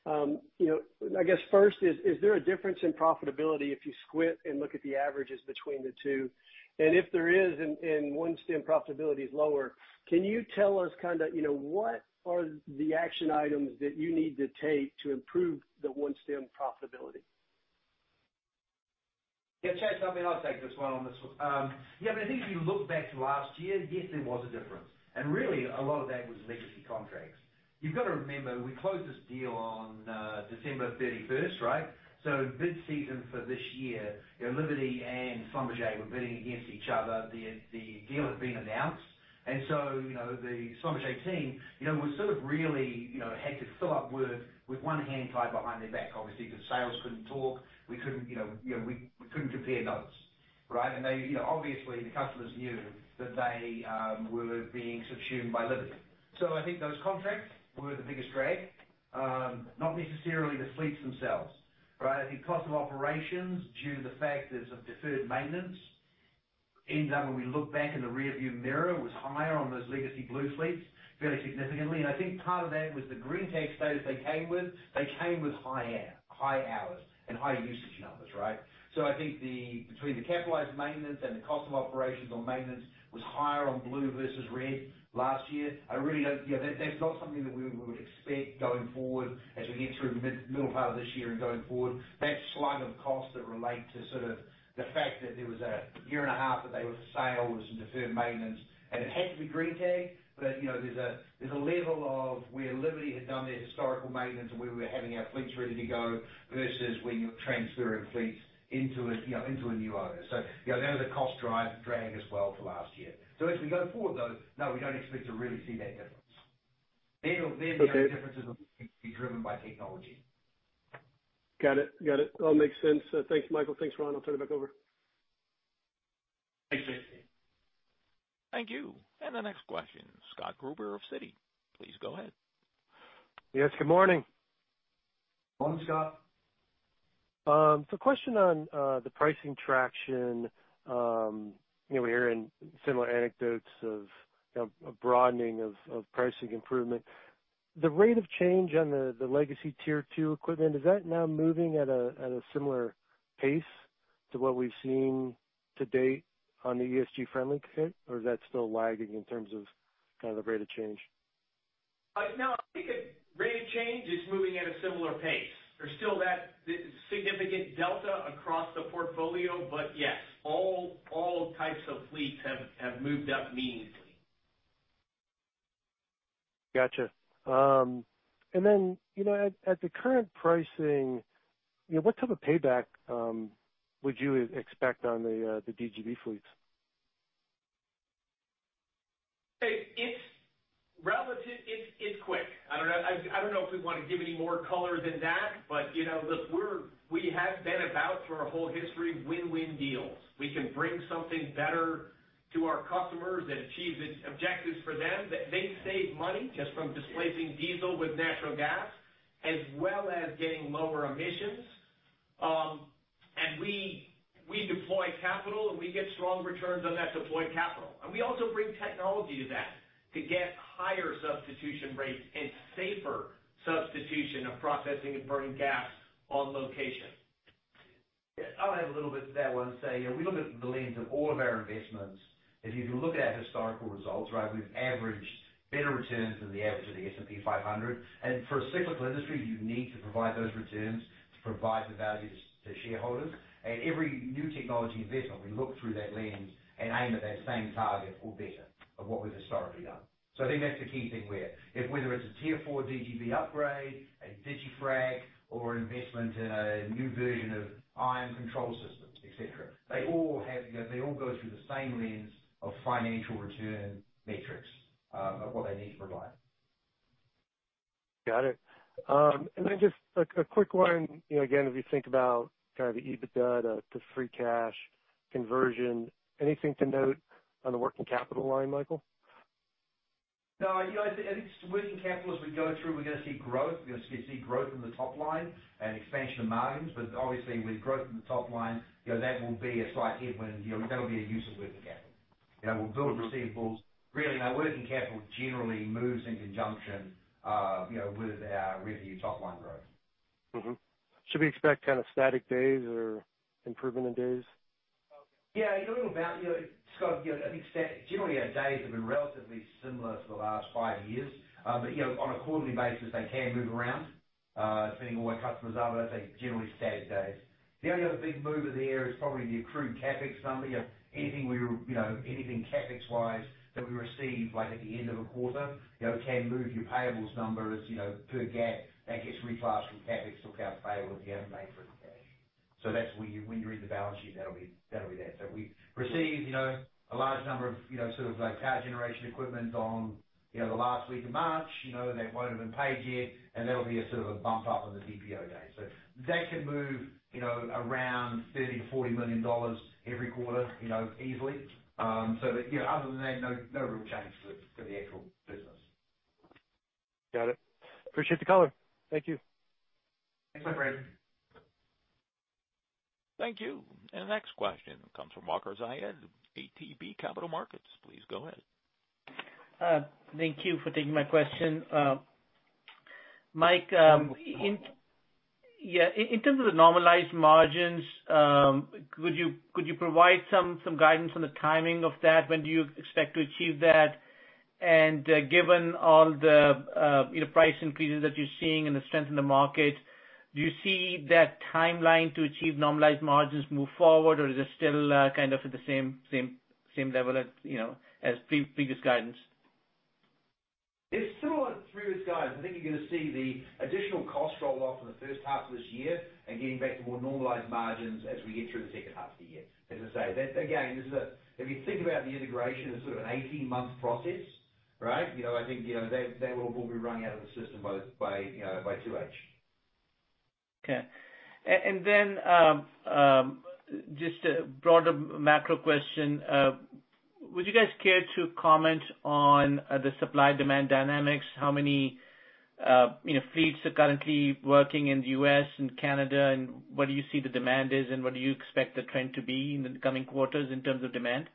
You know, I guess first is there a difference in profitability if you split and look at the averages between the two? If there is, and OneStim profitability is lower, can you tell us kinda, you know, what are the action items that you need to take to improve the OneStim profitability? Yeah, Chase, I mean, I'll take this one. Yeah, but I think if you look back to last year, yes, there was a difference. Really a lot of that was legacy contracts. You've got to remember, we closed this deal on December 31st, right? So mid-season for this year, you know, Liberty and Schlumberger were bidding against each other. The deal had been announced. So, you know, the Schlumberger team, you know, was sort of really had to fill up with one hand tied behind their back, obviously, because sales couldn't talk. We couldn't, you know, compare notes, right? They, you know, obviously the customers knew that they were being subsumed by Liberty. So I think those contracts were the biggest drag, not necessarily the fleets themselves, right? I think cost of operations due to the fact there's some deferred maintenance, ends up when we look back in the rearview mirror, was higher on those legacy blue fleets fairly significantly. I think part of that was the green tag status they came with. They came with high hours and high usage numbers, right? I think between the capitalized maintenance and the cost of operations on maintenance was higher on blue versus red last year. I really don't. You know, that's not something that we would expect going forward as we get through middle part of this year and going forward. That slug of costs that relate to sort of the fact that there was a year and a half that they were for sale was in deferred maintenance, and it had to be green tagged. You know, there's a level of where Liberty had done their historical maintenance and where we were having our fleets ready to go versus when you're transferring fleets into a new owner. You know, that was a cost-driven drag as well for last year. As we go forward, though, no, we don't expect to really see that difference. Okay. The only differences will be driven by technology. Got it. All makes sense. Thanks, Michael. Thanks, Ron. I'll turn it back over. Thanks, Chase. Thank you. The next question, Scott Gruber of Citi. Please go ahead. Yes, good morning. Morning, Scott. Question on the pricing traction, you know, we're hearing similar anecdotes of a broadening of pricing improvement. The rate of change on the legacy Tier 2 equipment, is that now moving at a similar pace to what we've seen to date on the ESG-friendly fleet, or is that still lagging in terms of kind of the rate of change? No, I think the rate of change is moving at a similar pace. There's still that significant delta across the portfolio, but yes, all types of fleets have moved up meaningfully. Gotcha. You know, at the current pricing, you know, what type of payback would you expect on the DGB fleets? It's relative. It's quick. I don't know if we wanna give any more color than that, but you know, look, we have been about for our whole history, win-win deals. We can bring something better to our customers that achieves its objectives for them. They save money just from displacing diesel with natural gas as well as getting lower emissions. We deploy capital, and we get strong returns on that deployed capital. We also bring technology to that to get higher substitution rates and safer substitution of processing and burning gas on location. Yeah. I'll add a little bit to that one and say, you know, we look at the lens of all of our investments. If you look at our historical results, right, we've averaged better returns than the average of the S&P 500. For a cyclical industry, you need to provide those returns to provide the value to shareholders. At every new technology investment, we look through that lens and aim at that same target or better of what we've historically done. I think that's the key thing. Whether it's a Tier 4 DGB upgrade, a digiFrac or investment in a new version of iON control systems, et cetera, they all have, you know, they all go through the same lens of financial return metrics of what they need to provide. Got it. A quick one, you know, again, if you think about kind of the EBITDA to free cash conversion, anything to note on the working capital line, Michael? No, you know, I think working capital as we go through, we're gonna see growth. We're gonna see growth in the top line and expansion of margins. Obviously, with growth in the top line, you know, that will be a slight headwind. You know, that'll be a use of working capital. You know, we'll build receivables. Really, our working capital generally moves in conjunction, you know, with our revenue top line growth. Should we expect kind of static days or improvement in days? Yeah, you know, about, you know, Scott, you know, I think generally our days have been relatively similar for the last 5 years. You know, on a quarterly basis, they can move around, depending on where customers are, but I think generally static days. The only other big mover there is probably the accrued CapEx number. You know, anything CapEx wise that we receive, like, at the end of a quarter, you know, can move your payables numbers, you know, per GAAP. That gets reclassed from CapEx to accounts payable at the end of May for the cash. That's when you read the balance sheet, that'll be that. We receive, you know, a large number of, you know, sort of like power generation equipment on, you know, the last week of March, you know, that won't have been paid yet, and that'll be a sort of a bump up in the DPO days. That can move, you know, around $30 million-$40 million every quarter, you know, easily. But you know, other than that, no real change to the actual business. Got it. Appreciate the color. Thank you. Thanks, my friend. Thank you. The next question comes from Waqar Syed, ATB Capital Markets. Please go ahead. Thank you for taking my question. Mike, in terms of the normalized margins, could you provide some guidance on the timing of that? When do you expect to achieve that? Given all the, you know, price increases that you're seeing and the strength in the market, do you see that timeline to achieve normalized margins move forward? Or is it still kind of at the same level as, you know, as previous guidance? It's similar to previous guidance. I think you're gonna see the additional cost roll off in the first half of this year and getting back to more normalized margins as we get through the second half of the year. As I say, that again, this is a. If you think about the integration as sort of an 18-month process, right? You know, I think, you know, they will be running out of the system by, you know, by 2H. Okay. Just a broader macro question. Would you guys care to comment on the supply demand dynamics? How many fleets are currently working in the U.S. and Canada, and what do you see the demand is, and what do you expect the trend to be in the coming quarters in terms of demand?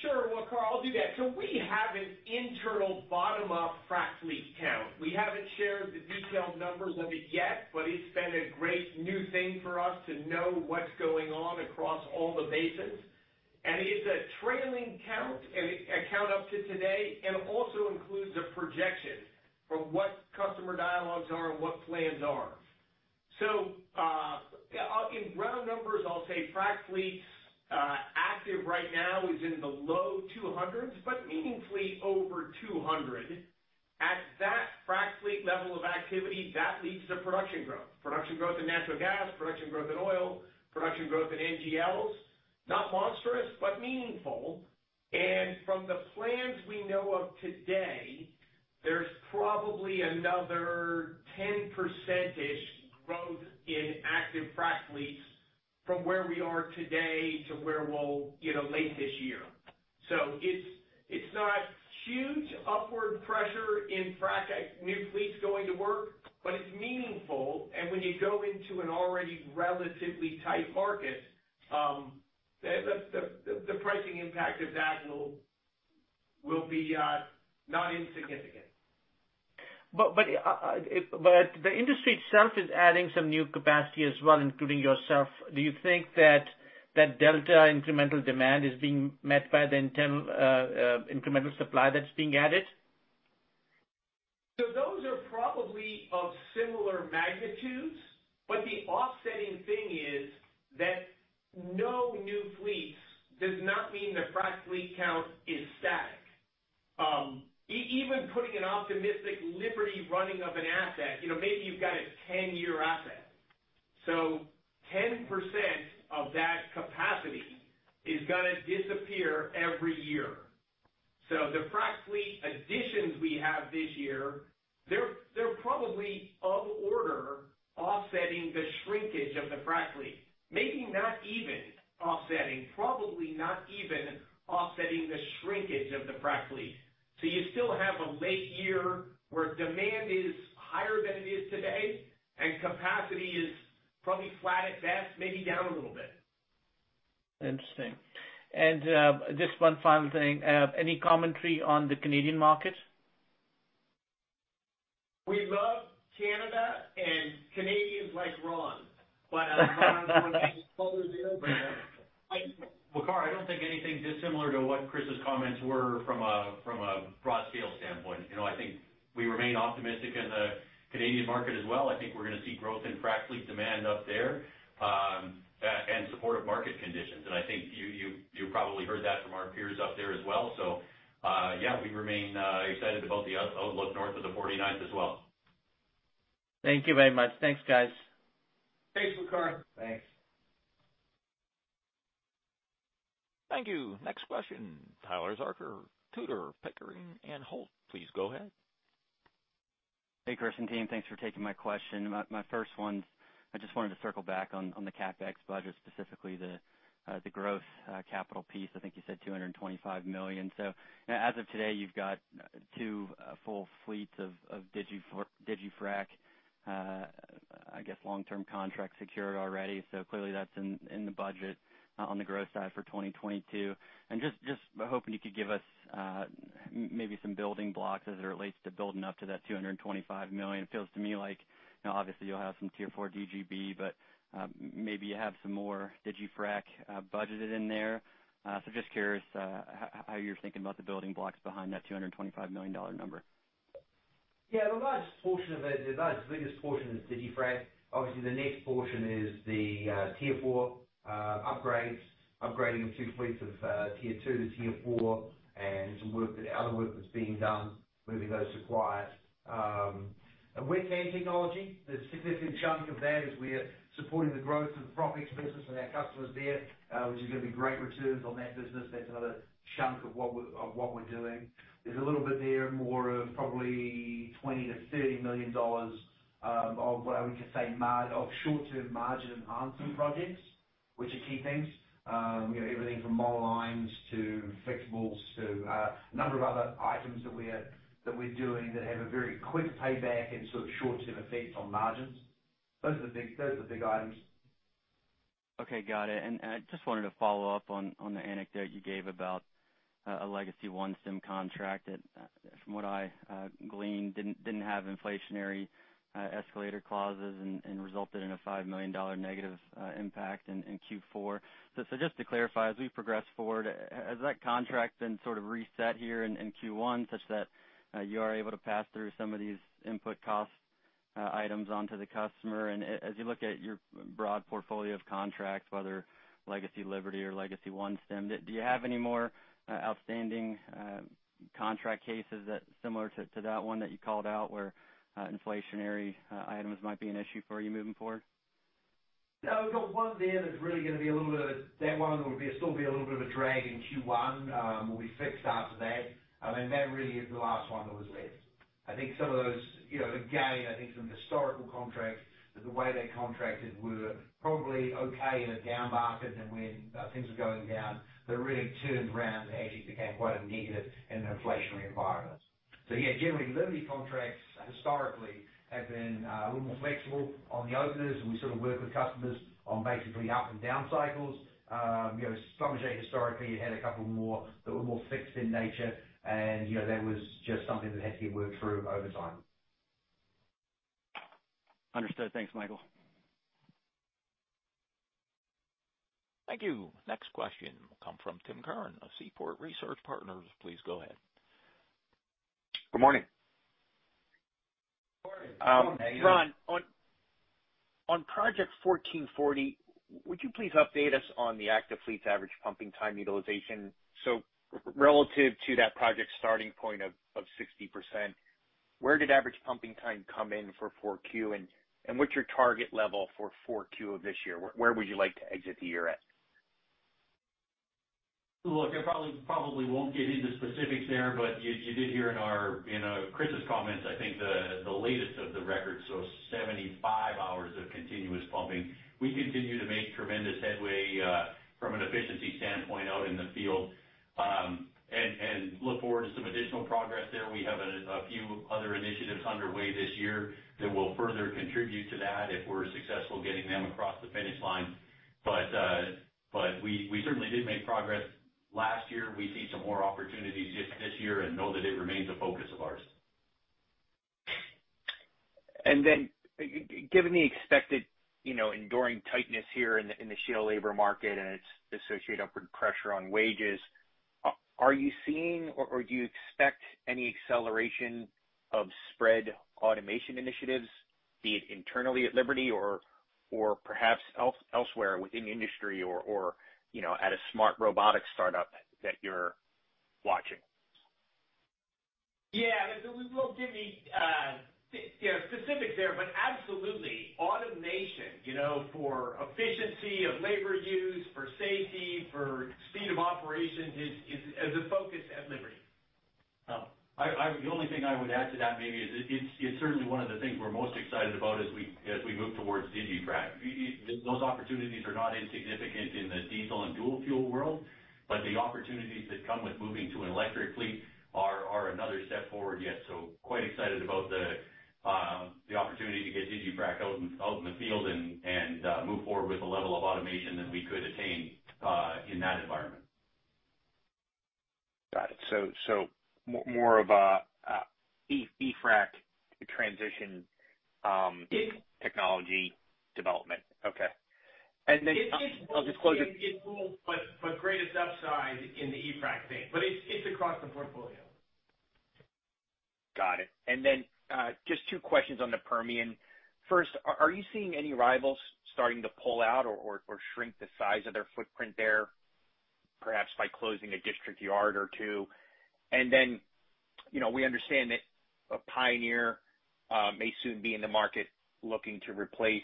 Sure. Waqar, I'll do that. We have an internal bottom-up frac fleet count. We haven't shared the detailed numbers of it yet, but it's been a great new thing for us to know what's going on across all the basins. It's a trailing count, a count up to today, and also includes a projection for what customer dialogues are and what plans are. In round numbers, I'll say frac fleets active right now is in the low 200s, but meaningfully over 200. At that frac fleet level of activity, that leads to production growth. Production growth in natural gas, production growth in oil, production growth in NGLs, not monstrous but meaningful. From the plans we know of today, there's probably another 10%-ish growth in active frac fleets from where we are today to where we'll, you know, late this year. It's not huge upward pressure in frac new fleets going to work, but it's meaningful. When you go into an already relatively tight market, the pricing impact of that will be not insignificant. The industry itself is adding some new capacity as well, including yourself. Do you think that delta incremental demand is being met by the incremental supply that's being added? Those are probably of similar magnitudes, but the offsetting thing is that no new fleets does not mean the frac fleet count is static. Even putting an optimistic Liberty running of an asset, you know, maybe you've got a 10-year asset. Ten percent of that capacity is gonna disappear every year. The frac fleet additions we have this year, they're probably of order offsetting the shrinkage of the frac fleet. Maybe not even offsetting, probably not even offsetting the shrinkage of the frac fleet. You still have a later year where demand is higher than it is today and capacity is probably flat at best, maybe down a little bit. Interesting. Just one final thing. Any commentary on the Canadian market? We love Canada and Canadians like Ron. Ron, do you wanna take this? Well, Waqar, I don't think anything dissimilar to what Chris' comments were from a broad scale standpoint. You know, I think we remain optimistic in the Canadian market as well. I think we're gonna see growth in frac fleet demand up there, and supportive market conditions. I think you probably heard that from our peers up there as well. Yeah, we remain excited about the outlook north of the 49th as well. Thank you very much. Thanks, guys. Thanks, Waqar. Thanks. Thank you. Next question, Tyler Zurcher, Tudor, Pickering and Holt. Please go ahead. Hey, Chris and team, thanks for taking my question. My first one, I just wanted to circle back on the CapEx budget, specifically the growth capital piece. I think you said $225 million. So as of today, you've got two full fleets of digiFrac, I guess long-term contracts secured already. So clearly that's in the budget on the growth side for 2022. Just hoping you could give us maybe some building blocks as it relates to building up to that $225 million. It feels to me like, you know, obviously you'll have some Tier 4 DGB, but maybe you have some more digiFrac budgeted in there. So just curious how you're thinking about the building blocks behind that $225 million dollar number. Yeah. The largest portion of it, biggest portion is digiFrac. Obviously, the next portion is the Tier 4 upgrades, upgrading two fleets of Tier 2 to Tier 4, and some other work that's being done, moving those to Quiet. With Aim Technology, the significant chunk of that is we're supporting the growth of the PropX and our customers there, which is gonna be great returns on that business. That's another chunk of what we're doing. There's a little bit there, more of probably $20 million-$30 million of what I would just say short-term margin enhancement projects, which are key things, everything from monolines to fixables to a number of other items that we're doing that have a very quick payback and sort of short-term effects on margins. Those are the big items. Okay, got it. I just wanted to follow up on the anecdote you gave about a Legacy OneStim contract that, from what I gleaned, didn't have inflationary escalator clauses and resulted in a $5 million negative impact in Q4. Just to clarify, as we progress forward, has that contract been sort of reset here in Q1 such that you are able to pass through some of these input cost items onto the customer? As you look at your broad portfolio of contracts, whether Legacy Liberty or Legacy OneStim, do you have any more outstanding contract cases similar to that one that you called out, where inflationary items might be an issue for you moving forward? No, we've got one there that's really gonna be a little bit of a drag in Q1, will be fixed after that. I mean, that really is the last one that was left. I think some of those, you know, again, some historical contracts, the way they contracted were probably okay in a down market than when things were going down. They really turned around and actually became quite a negative in an inflationary environment. Yeah, generally, Liberty contracts historically have been a little more flexible on the openers, and we sort of work with customers on basically up and down cycles. You know, Schlumberger historically had a couple more that were more fixed in nature, and you know, that was just something that had to get worked through over time. Understood. Thanks, Michael. Thank you. Next question will come from Tom Curran of Seaport Research Partners. Please go ahead. Good morning. Morning. How are you doing? Ron, on Operation 1440, would you please update us on the active fleet's average pumping time utilization? Relative to that project starting point of 60%, where did average pumping time come in for 4Q? And what's your target level for 4Q of this year? Where would you like to exit the year at? Look, I probably won't get into specifics there, but you did hear in Chris's comments, I think the latest record, so 75 hours of continuous pumping. We continue to make tremendous headway from an efficiency standpoint out in the field, and look forward to some additional progress there. We have a few other initiatives underway this year that will further contribute to that if we're successful getting them across the finish line. We certainly did make progress last year. We see some more opportunities just this year and know that it remains a focus of ours. Then given the expected, you know, enduring tightness here in the shale labor market and its associated upward pressure on wages, are you seeing or do you expect any acceleration of spread automation initiatives, be it internally at Liberty or perhaps elsewhere within the industry or you know, at a smart robotics startup that you're watching? Yeah. We won't give any, you know, specifics there, but absolutely. Automation, you know, for efficiency of labor use, for safety, for speed of operation is a focus at Liberty. The only thing I would add to that maybe is it's certainly one of the things we're most excited about as we move towards digiFrac. Those opportunities are not insignificant in the diesel and dual fuel world, but the opportunities that come with moving to an electric fleet are another step forward yet. Quite excited about the opportunity to get digiFrac out in the field and move forward with the level of automation that we could attain in that environment. Got it. More of a e-frac transition technology development. Okay. I'll just close it. It will, but greatest upside in the e-frac thing. It's across the portfolio. Got it. Just two questions on the Permian. First, are you seeing any rivals starting to pull out or shrink the size of their footprint there, perhaps by closing a district yard or two? We understand that Pioneer may soon be in the market looking to replace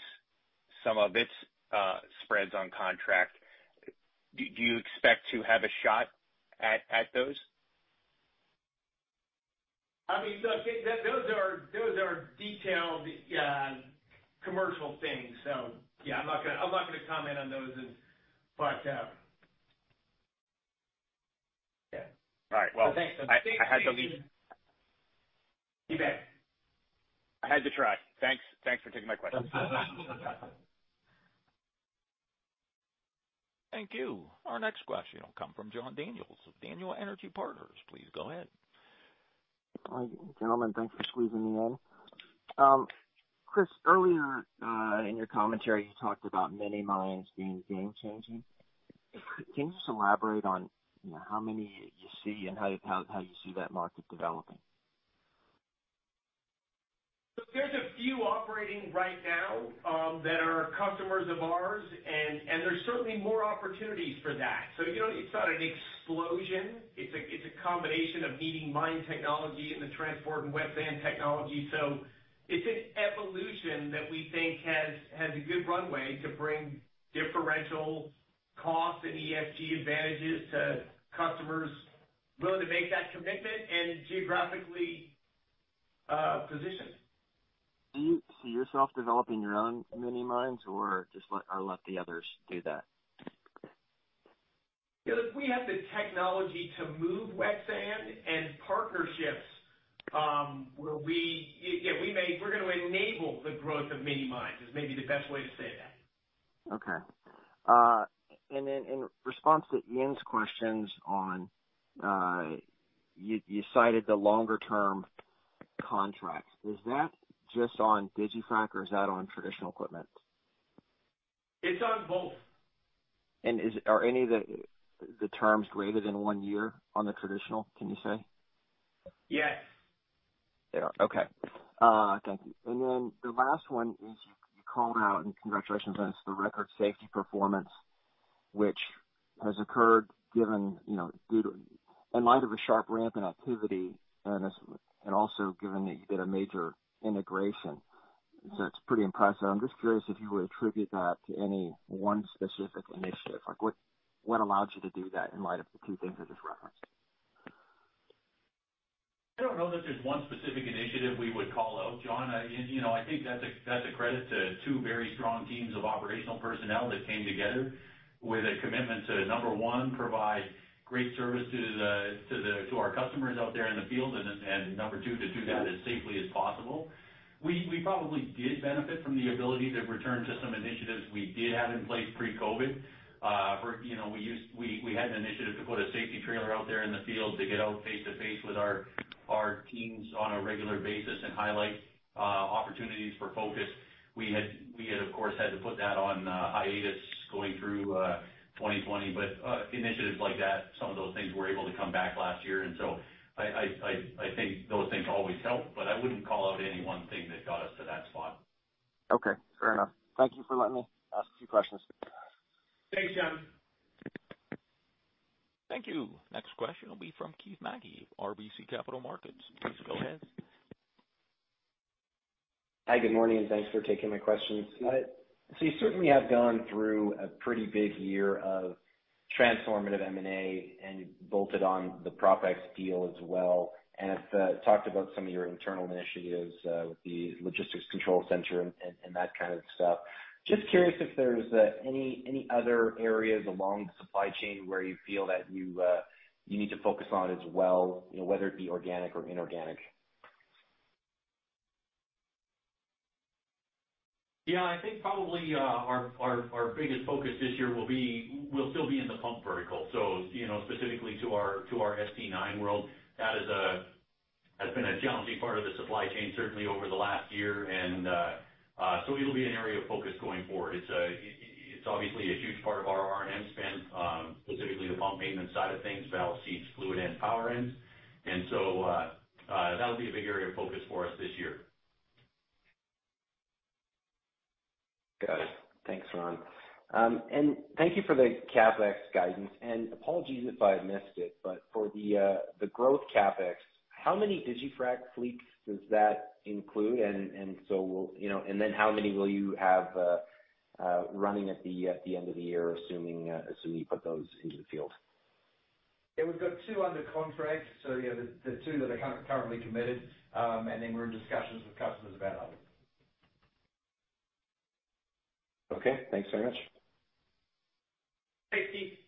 some of its spreads on contract. Do you expect to have a shot at those? I mean, so those are detailed commercial things. Yeah, I'm not gonna comment on those. All right. Well, I had to at least. You bet. I had to try. Thanks for taking my question. Thank you. Our next question will come from John Daniel of Daniel Energy Partners. Please go ahead. Gentlemen, thanks for squeezing me in. Chris, earlier, in your commentary, you talked about mini-mines being game changing. Can you just elaborate on, you know, how many you see and how you see that market developing? Look, there's a few operating right now that are customers of ours and there's certainly more opportunities for that. You know, it's not an explosion. It's a combination of needing mine technology and the transport and wet sand technology. It's an evolution that we think has a good runway to bring differential costs and ESG advantages to customers willing to make that commitment and geographically positioned. Do you see yourself developing your own mini-mines or just let the others do that? Yeah, look, we have the technology to move wet sand and partnerships where we're gonna enable the growth of mini-mines. Is maybe the best way to say that. Okay. In response to Ian's questions on, you cited the longer term contracts. Is that just on digiFrac or is that on traditional equipment? It's on both. Are any of the terms greater than one year on the traditional, can you say? Yes. They are. Okay. Thank you. The last one is you called out, and congratulations on this, the record safety performance which has occurred given, you know, in light of a sharp ramp in activity and also given that you did a major integration. It's pretty impressive. I'm just curious if you would attribute that to any one specific initiative. Like, what allowed you to do that in light of the two things I just referenced? I don't know that there's one specific initiative we would call out, John. You know, I think that's a credit to two very strong teams of operational personnel that came together with a commitment to, number one, provide great service to our customers out there in the field. Number two, to do that as safely as possible. We probably did benefit from the ability to return to some initiatives we did have in place pre-COVID. You know, we had an initiative to put a safety trailer out there in the field to get out face to face with our teams on a regular basis and highlight opportunities for focus. We had of course had to put that on hiatus going through 2020. Initiatives like that, some of those things were able to come back last year. I think those things always help, but I wouldn't call out any one thing that got us to that spot. Okay, fair enough. Thank you for letting me ask a few questions. Thanks, John. Thank you. Next question will be from Keith Mackey, RBC Capital Markets. Please go ahead. Hi, good morning, and thanks for taking my questions. You certainly have gone through a pretty big year of transformative M&A, and you bolted on the PropX deal as well, and have talked about some of your internal initiatives with the logistics control center and that kind of stuff. Just curious if there's any other areas along the supply chain where you feel that you need to focus on as well, you know, whether it be organic or inorganic. Yeah, I think probably our biggest focus this year will still be in the pump vertical. You know, specifically to our ST9 world. That has been a challenging part of the supply chain, certainly over the last year. It'll be an area of focus going forward. It's obviously a huge part of our R&M spend, specifically the pump maintenance side of things, valve seats, fluid end, power end. That'll be a big area of focus for us this year. Got it. Thanks, Ron. Thank you for the CapEx guidance and apologies if I missed it, but for the growth CapEx, how many digiFrac fleets does that include? You know, and then how many will you have running at the end of the year, assuming you put those into the field? Yeah, we've got two under contract, so the two that are currently committed, and then we're in discussions with customers about others. Okay, thanks very much. Thanks, Keith.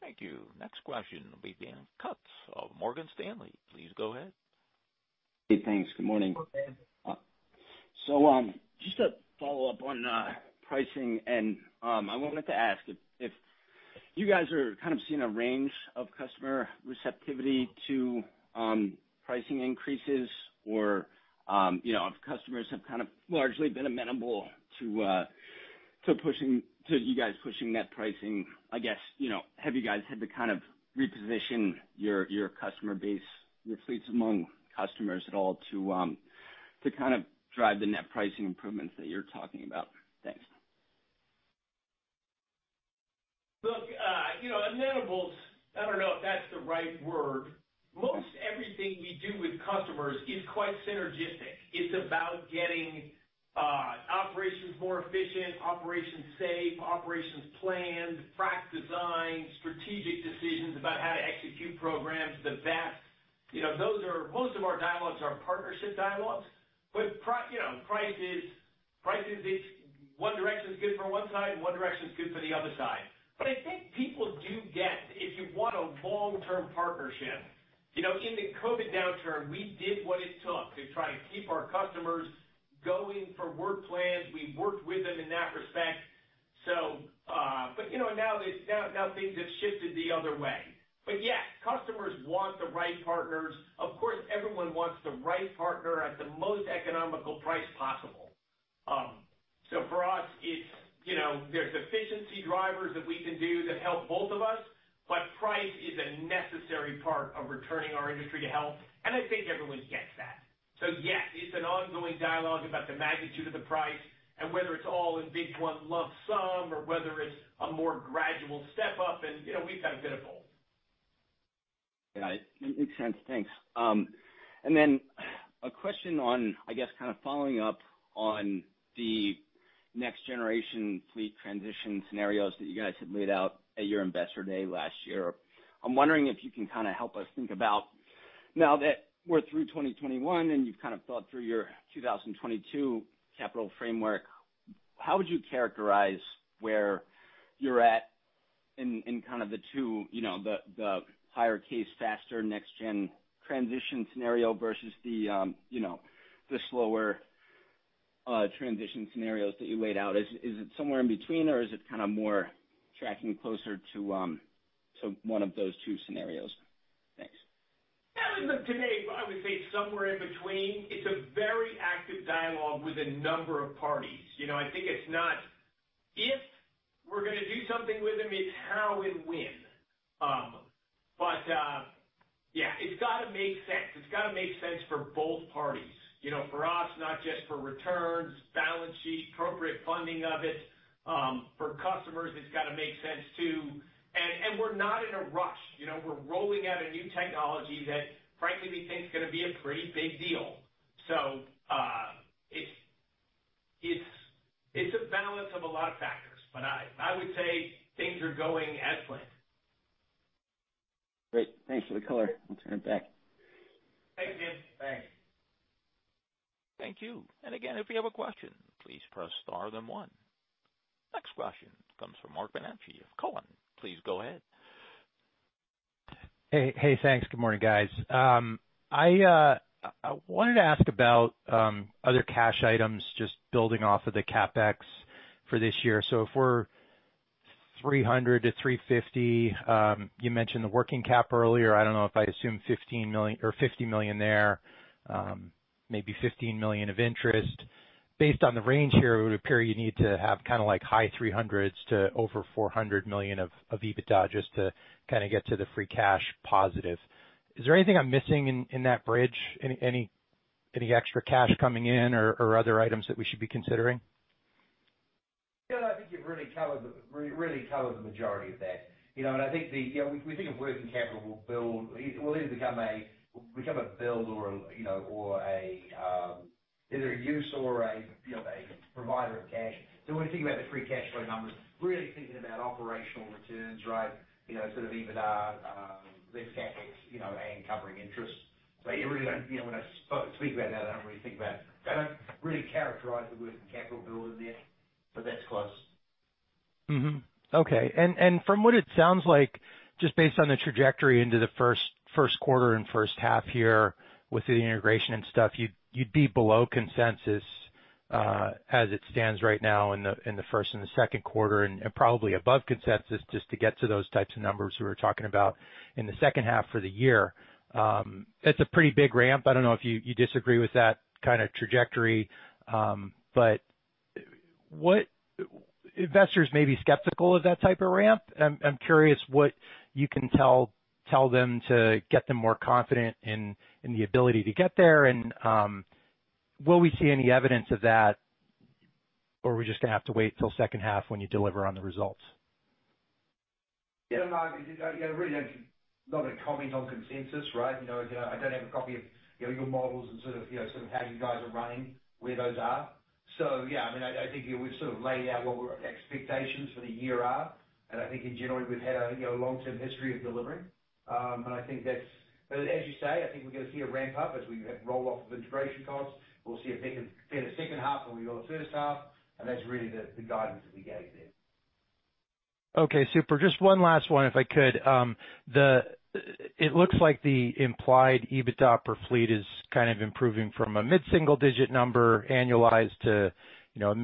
Thank you. Next question will be Daniel Kutz of Morgan Stanley. Please go ahead. Hey, thanks. Good morning. Good morning. Just to follow up on pricing and I wanted to ask if you guys are kind of seeing a range of customer receptivity to pricing increases or you know if customers have kind of largely been amenable to you guys pushing net pricing. I guess you know have you guys had to kind of reposition your customer base your fleets among customers at all to kind of drive the net pricing improvements that you're talking about? Thanks. You know, I don't know if that's the right word. Most everything we do with customers is quite synergistic. It's about getting operations more efficient, operations safe, operations planned, frac design, strategic decisions about how to execute programs. You know, those are most of our dialogues are partnership dialogues. Price is it's one direction's good for one side, and one direction's good for the other side. I think people do get if you want a long-term partnership. You know, in the COVID downturn, we did what it took to try to keep our customers going for work plans. We worked with them in that respect. You know, now things have shifted the other way. Yeah, customers want the right partners. Of course, everyone wants the right partner at the most economical price possible. For us, it's, you know, there's efficiency drivers that we can do that help both of us, but price is a necessary part of returning our industry to health, and I think everyone gets that. Yeah, it's an ongoing dialogue about the magnitude of the price and whether it's all in big one lump sum or whether it's a more gradual step up and, you know, we've kind of been both. Yeah, makes sense. Thanks. Then a question on, I guess, kind of following up on the next generation fleet transition scenarios that you guys had laid out at your investor day last year. I'm wondering if you can kind of help us think about now that we're through 2021 and you've kind of thought through your 2022 capital framework, how would you characterize where you're at in kind of the two, you know, the higher case, faster nextGen transition scenario versus the, you know, the slower transition scenarios that you laid out? Is it somewhere in between or is it kind of more tracking closer to one of those two scenarios? Thanks. Yeah, look, today, I would say somewhere in between. It's a very active dialogue with a number of parties. You know, I think it's not if we're gonna do something with them, it's how and when. Yeah, it's gotta make sense. It's gotta make sense for both parties. You know, for us, not just for returns, balance sheet, appropriate funding of it. For customers, it's gotta make sense too. We're not in a rush. You know, we're rolling out a new technology that frankly, we think is gonna be a pretty big deal. It's a balance of a lot of factors, but I would say things are going as planned. Great. Thanks for the color. I'll turn it back. Thank you. Thank you. Again, if you have a question, please press star then one. Next question comes from Marc Bianchi of Cowen. Please go ahead. Hey. Hey, thanks. Good morning, guys. I wanted to ask about other cash items just building off of the CapEx for this year. If we're $300 million-$350 million, you mentioned the working cap earlier. I don't know if I assume $15 million or $50 million there, maybe $15 million of interest. Based on the range here, it would appear you need to have kinda like high $300s to over $400 million of EBITDA just to kinda get to the free cash positive. Is there anything I'm missing in that bridge? Any extra cash coming in or other items that we should be considering? Yeah, I think you've really covered the majority of that. You know, we think of working capital build. It will either become a build or a use or a provider of cash. When we think about the free cash flow numbers, really thinking about operational returns, right? You know, sort of EBITDA less CapEx and covering interest. You really don't, you know. When I speak about that, I don't really characterize the working capital build in there, but that's close. Okay. From what it sounds like, just based on the trajectory into the first quarter and first half here with the integration and stuff, you'd be below consensus as it stands right now in the first and the second quarter, and probably above consensus just to get to those types of numbers we were talking about in the second half for the year. It's a pretty big ramp. I don't know if you disagree with that kinda trajectory, but investors may be skeptical of that type of ramp. I'm curious what you can tell them to get them more confident in the ability to get there. Will we see any evidence of that? Or are we just gonna have to wait till second half when you deliver on the results? Yeah, no, I mean, you know, not gonna comment on consensus, right? You know, I don't have a copy of, you know, your models and sort of, you know, sort of how you guys are running, where those are. So yeah, I mean, I think we've sort of laid out what our expectations for the year are, and I think in general, we've had a, you know, long-term history of delivering. I think that's. As you say, I think we're gonna see a ramp-up as we roll off of integration costs. We'll see a better second half than we saw the first half, and that's really the guidance that we gave there. Okay, super. Just one last one, if I could. It looks like the implied EBITDA per fleet is kind of improving from a mid-single digit number annualized to, you know,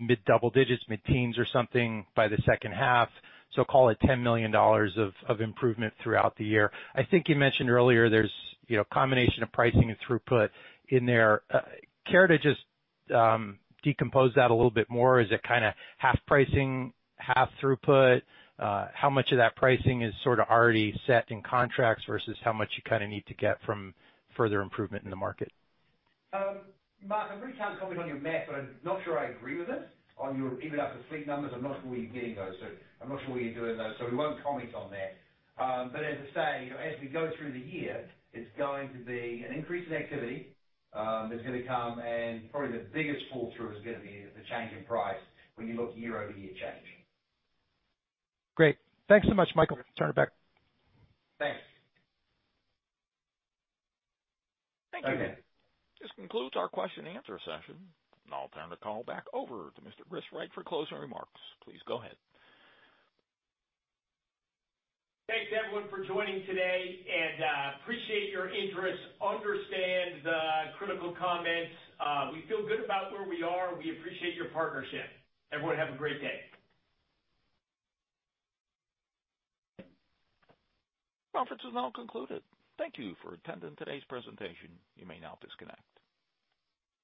mid-double digits, mid-teens or something by the second half. So call it $10 million of improvement throughout the year. I think you mentioned earlier there's, you know, a combination of pricing and throughput in there. Care to just decompose that a little bit more? Is it kinda half pricing, half throughput? How much of that pricing is sorta already set in contracts versus how much you kinda need to get from further improvement in the market? Marc, I really can't comment on your math, but I'm not sure I agree with it, on your EBITDA per fleet numbers. I'm not sure where you're getting those. We won't comment on that. As I say, you know, as we go through the year, it's going to be an increase in activity, that's gonna come, and probably the biggest flow-through is gonna be the change in price when you look year-over-year change. Great. Thanks so much, Michael. Turn it back. Thanks. Thank you. This concludes our question and answer session. I'll turn the call back over to Mr. Chris Wright for closing remarks. Please go ahead. Thanks, everyone, for joining today. We appreciate your interest [and] understand the critical comments. We feel good about where we are. We appreciate your partnership. Everyone, have a great day. Conference is now concluded. Thank you for attending today's presentation. You may now disconnect.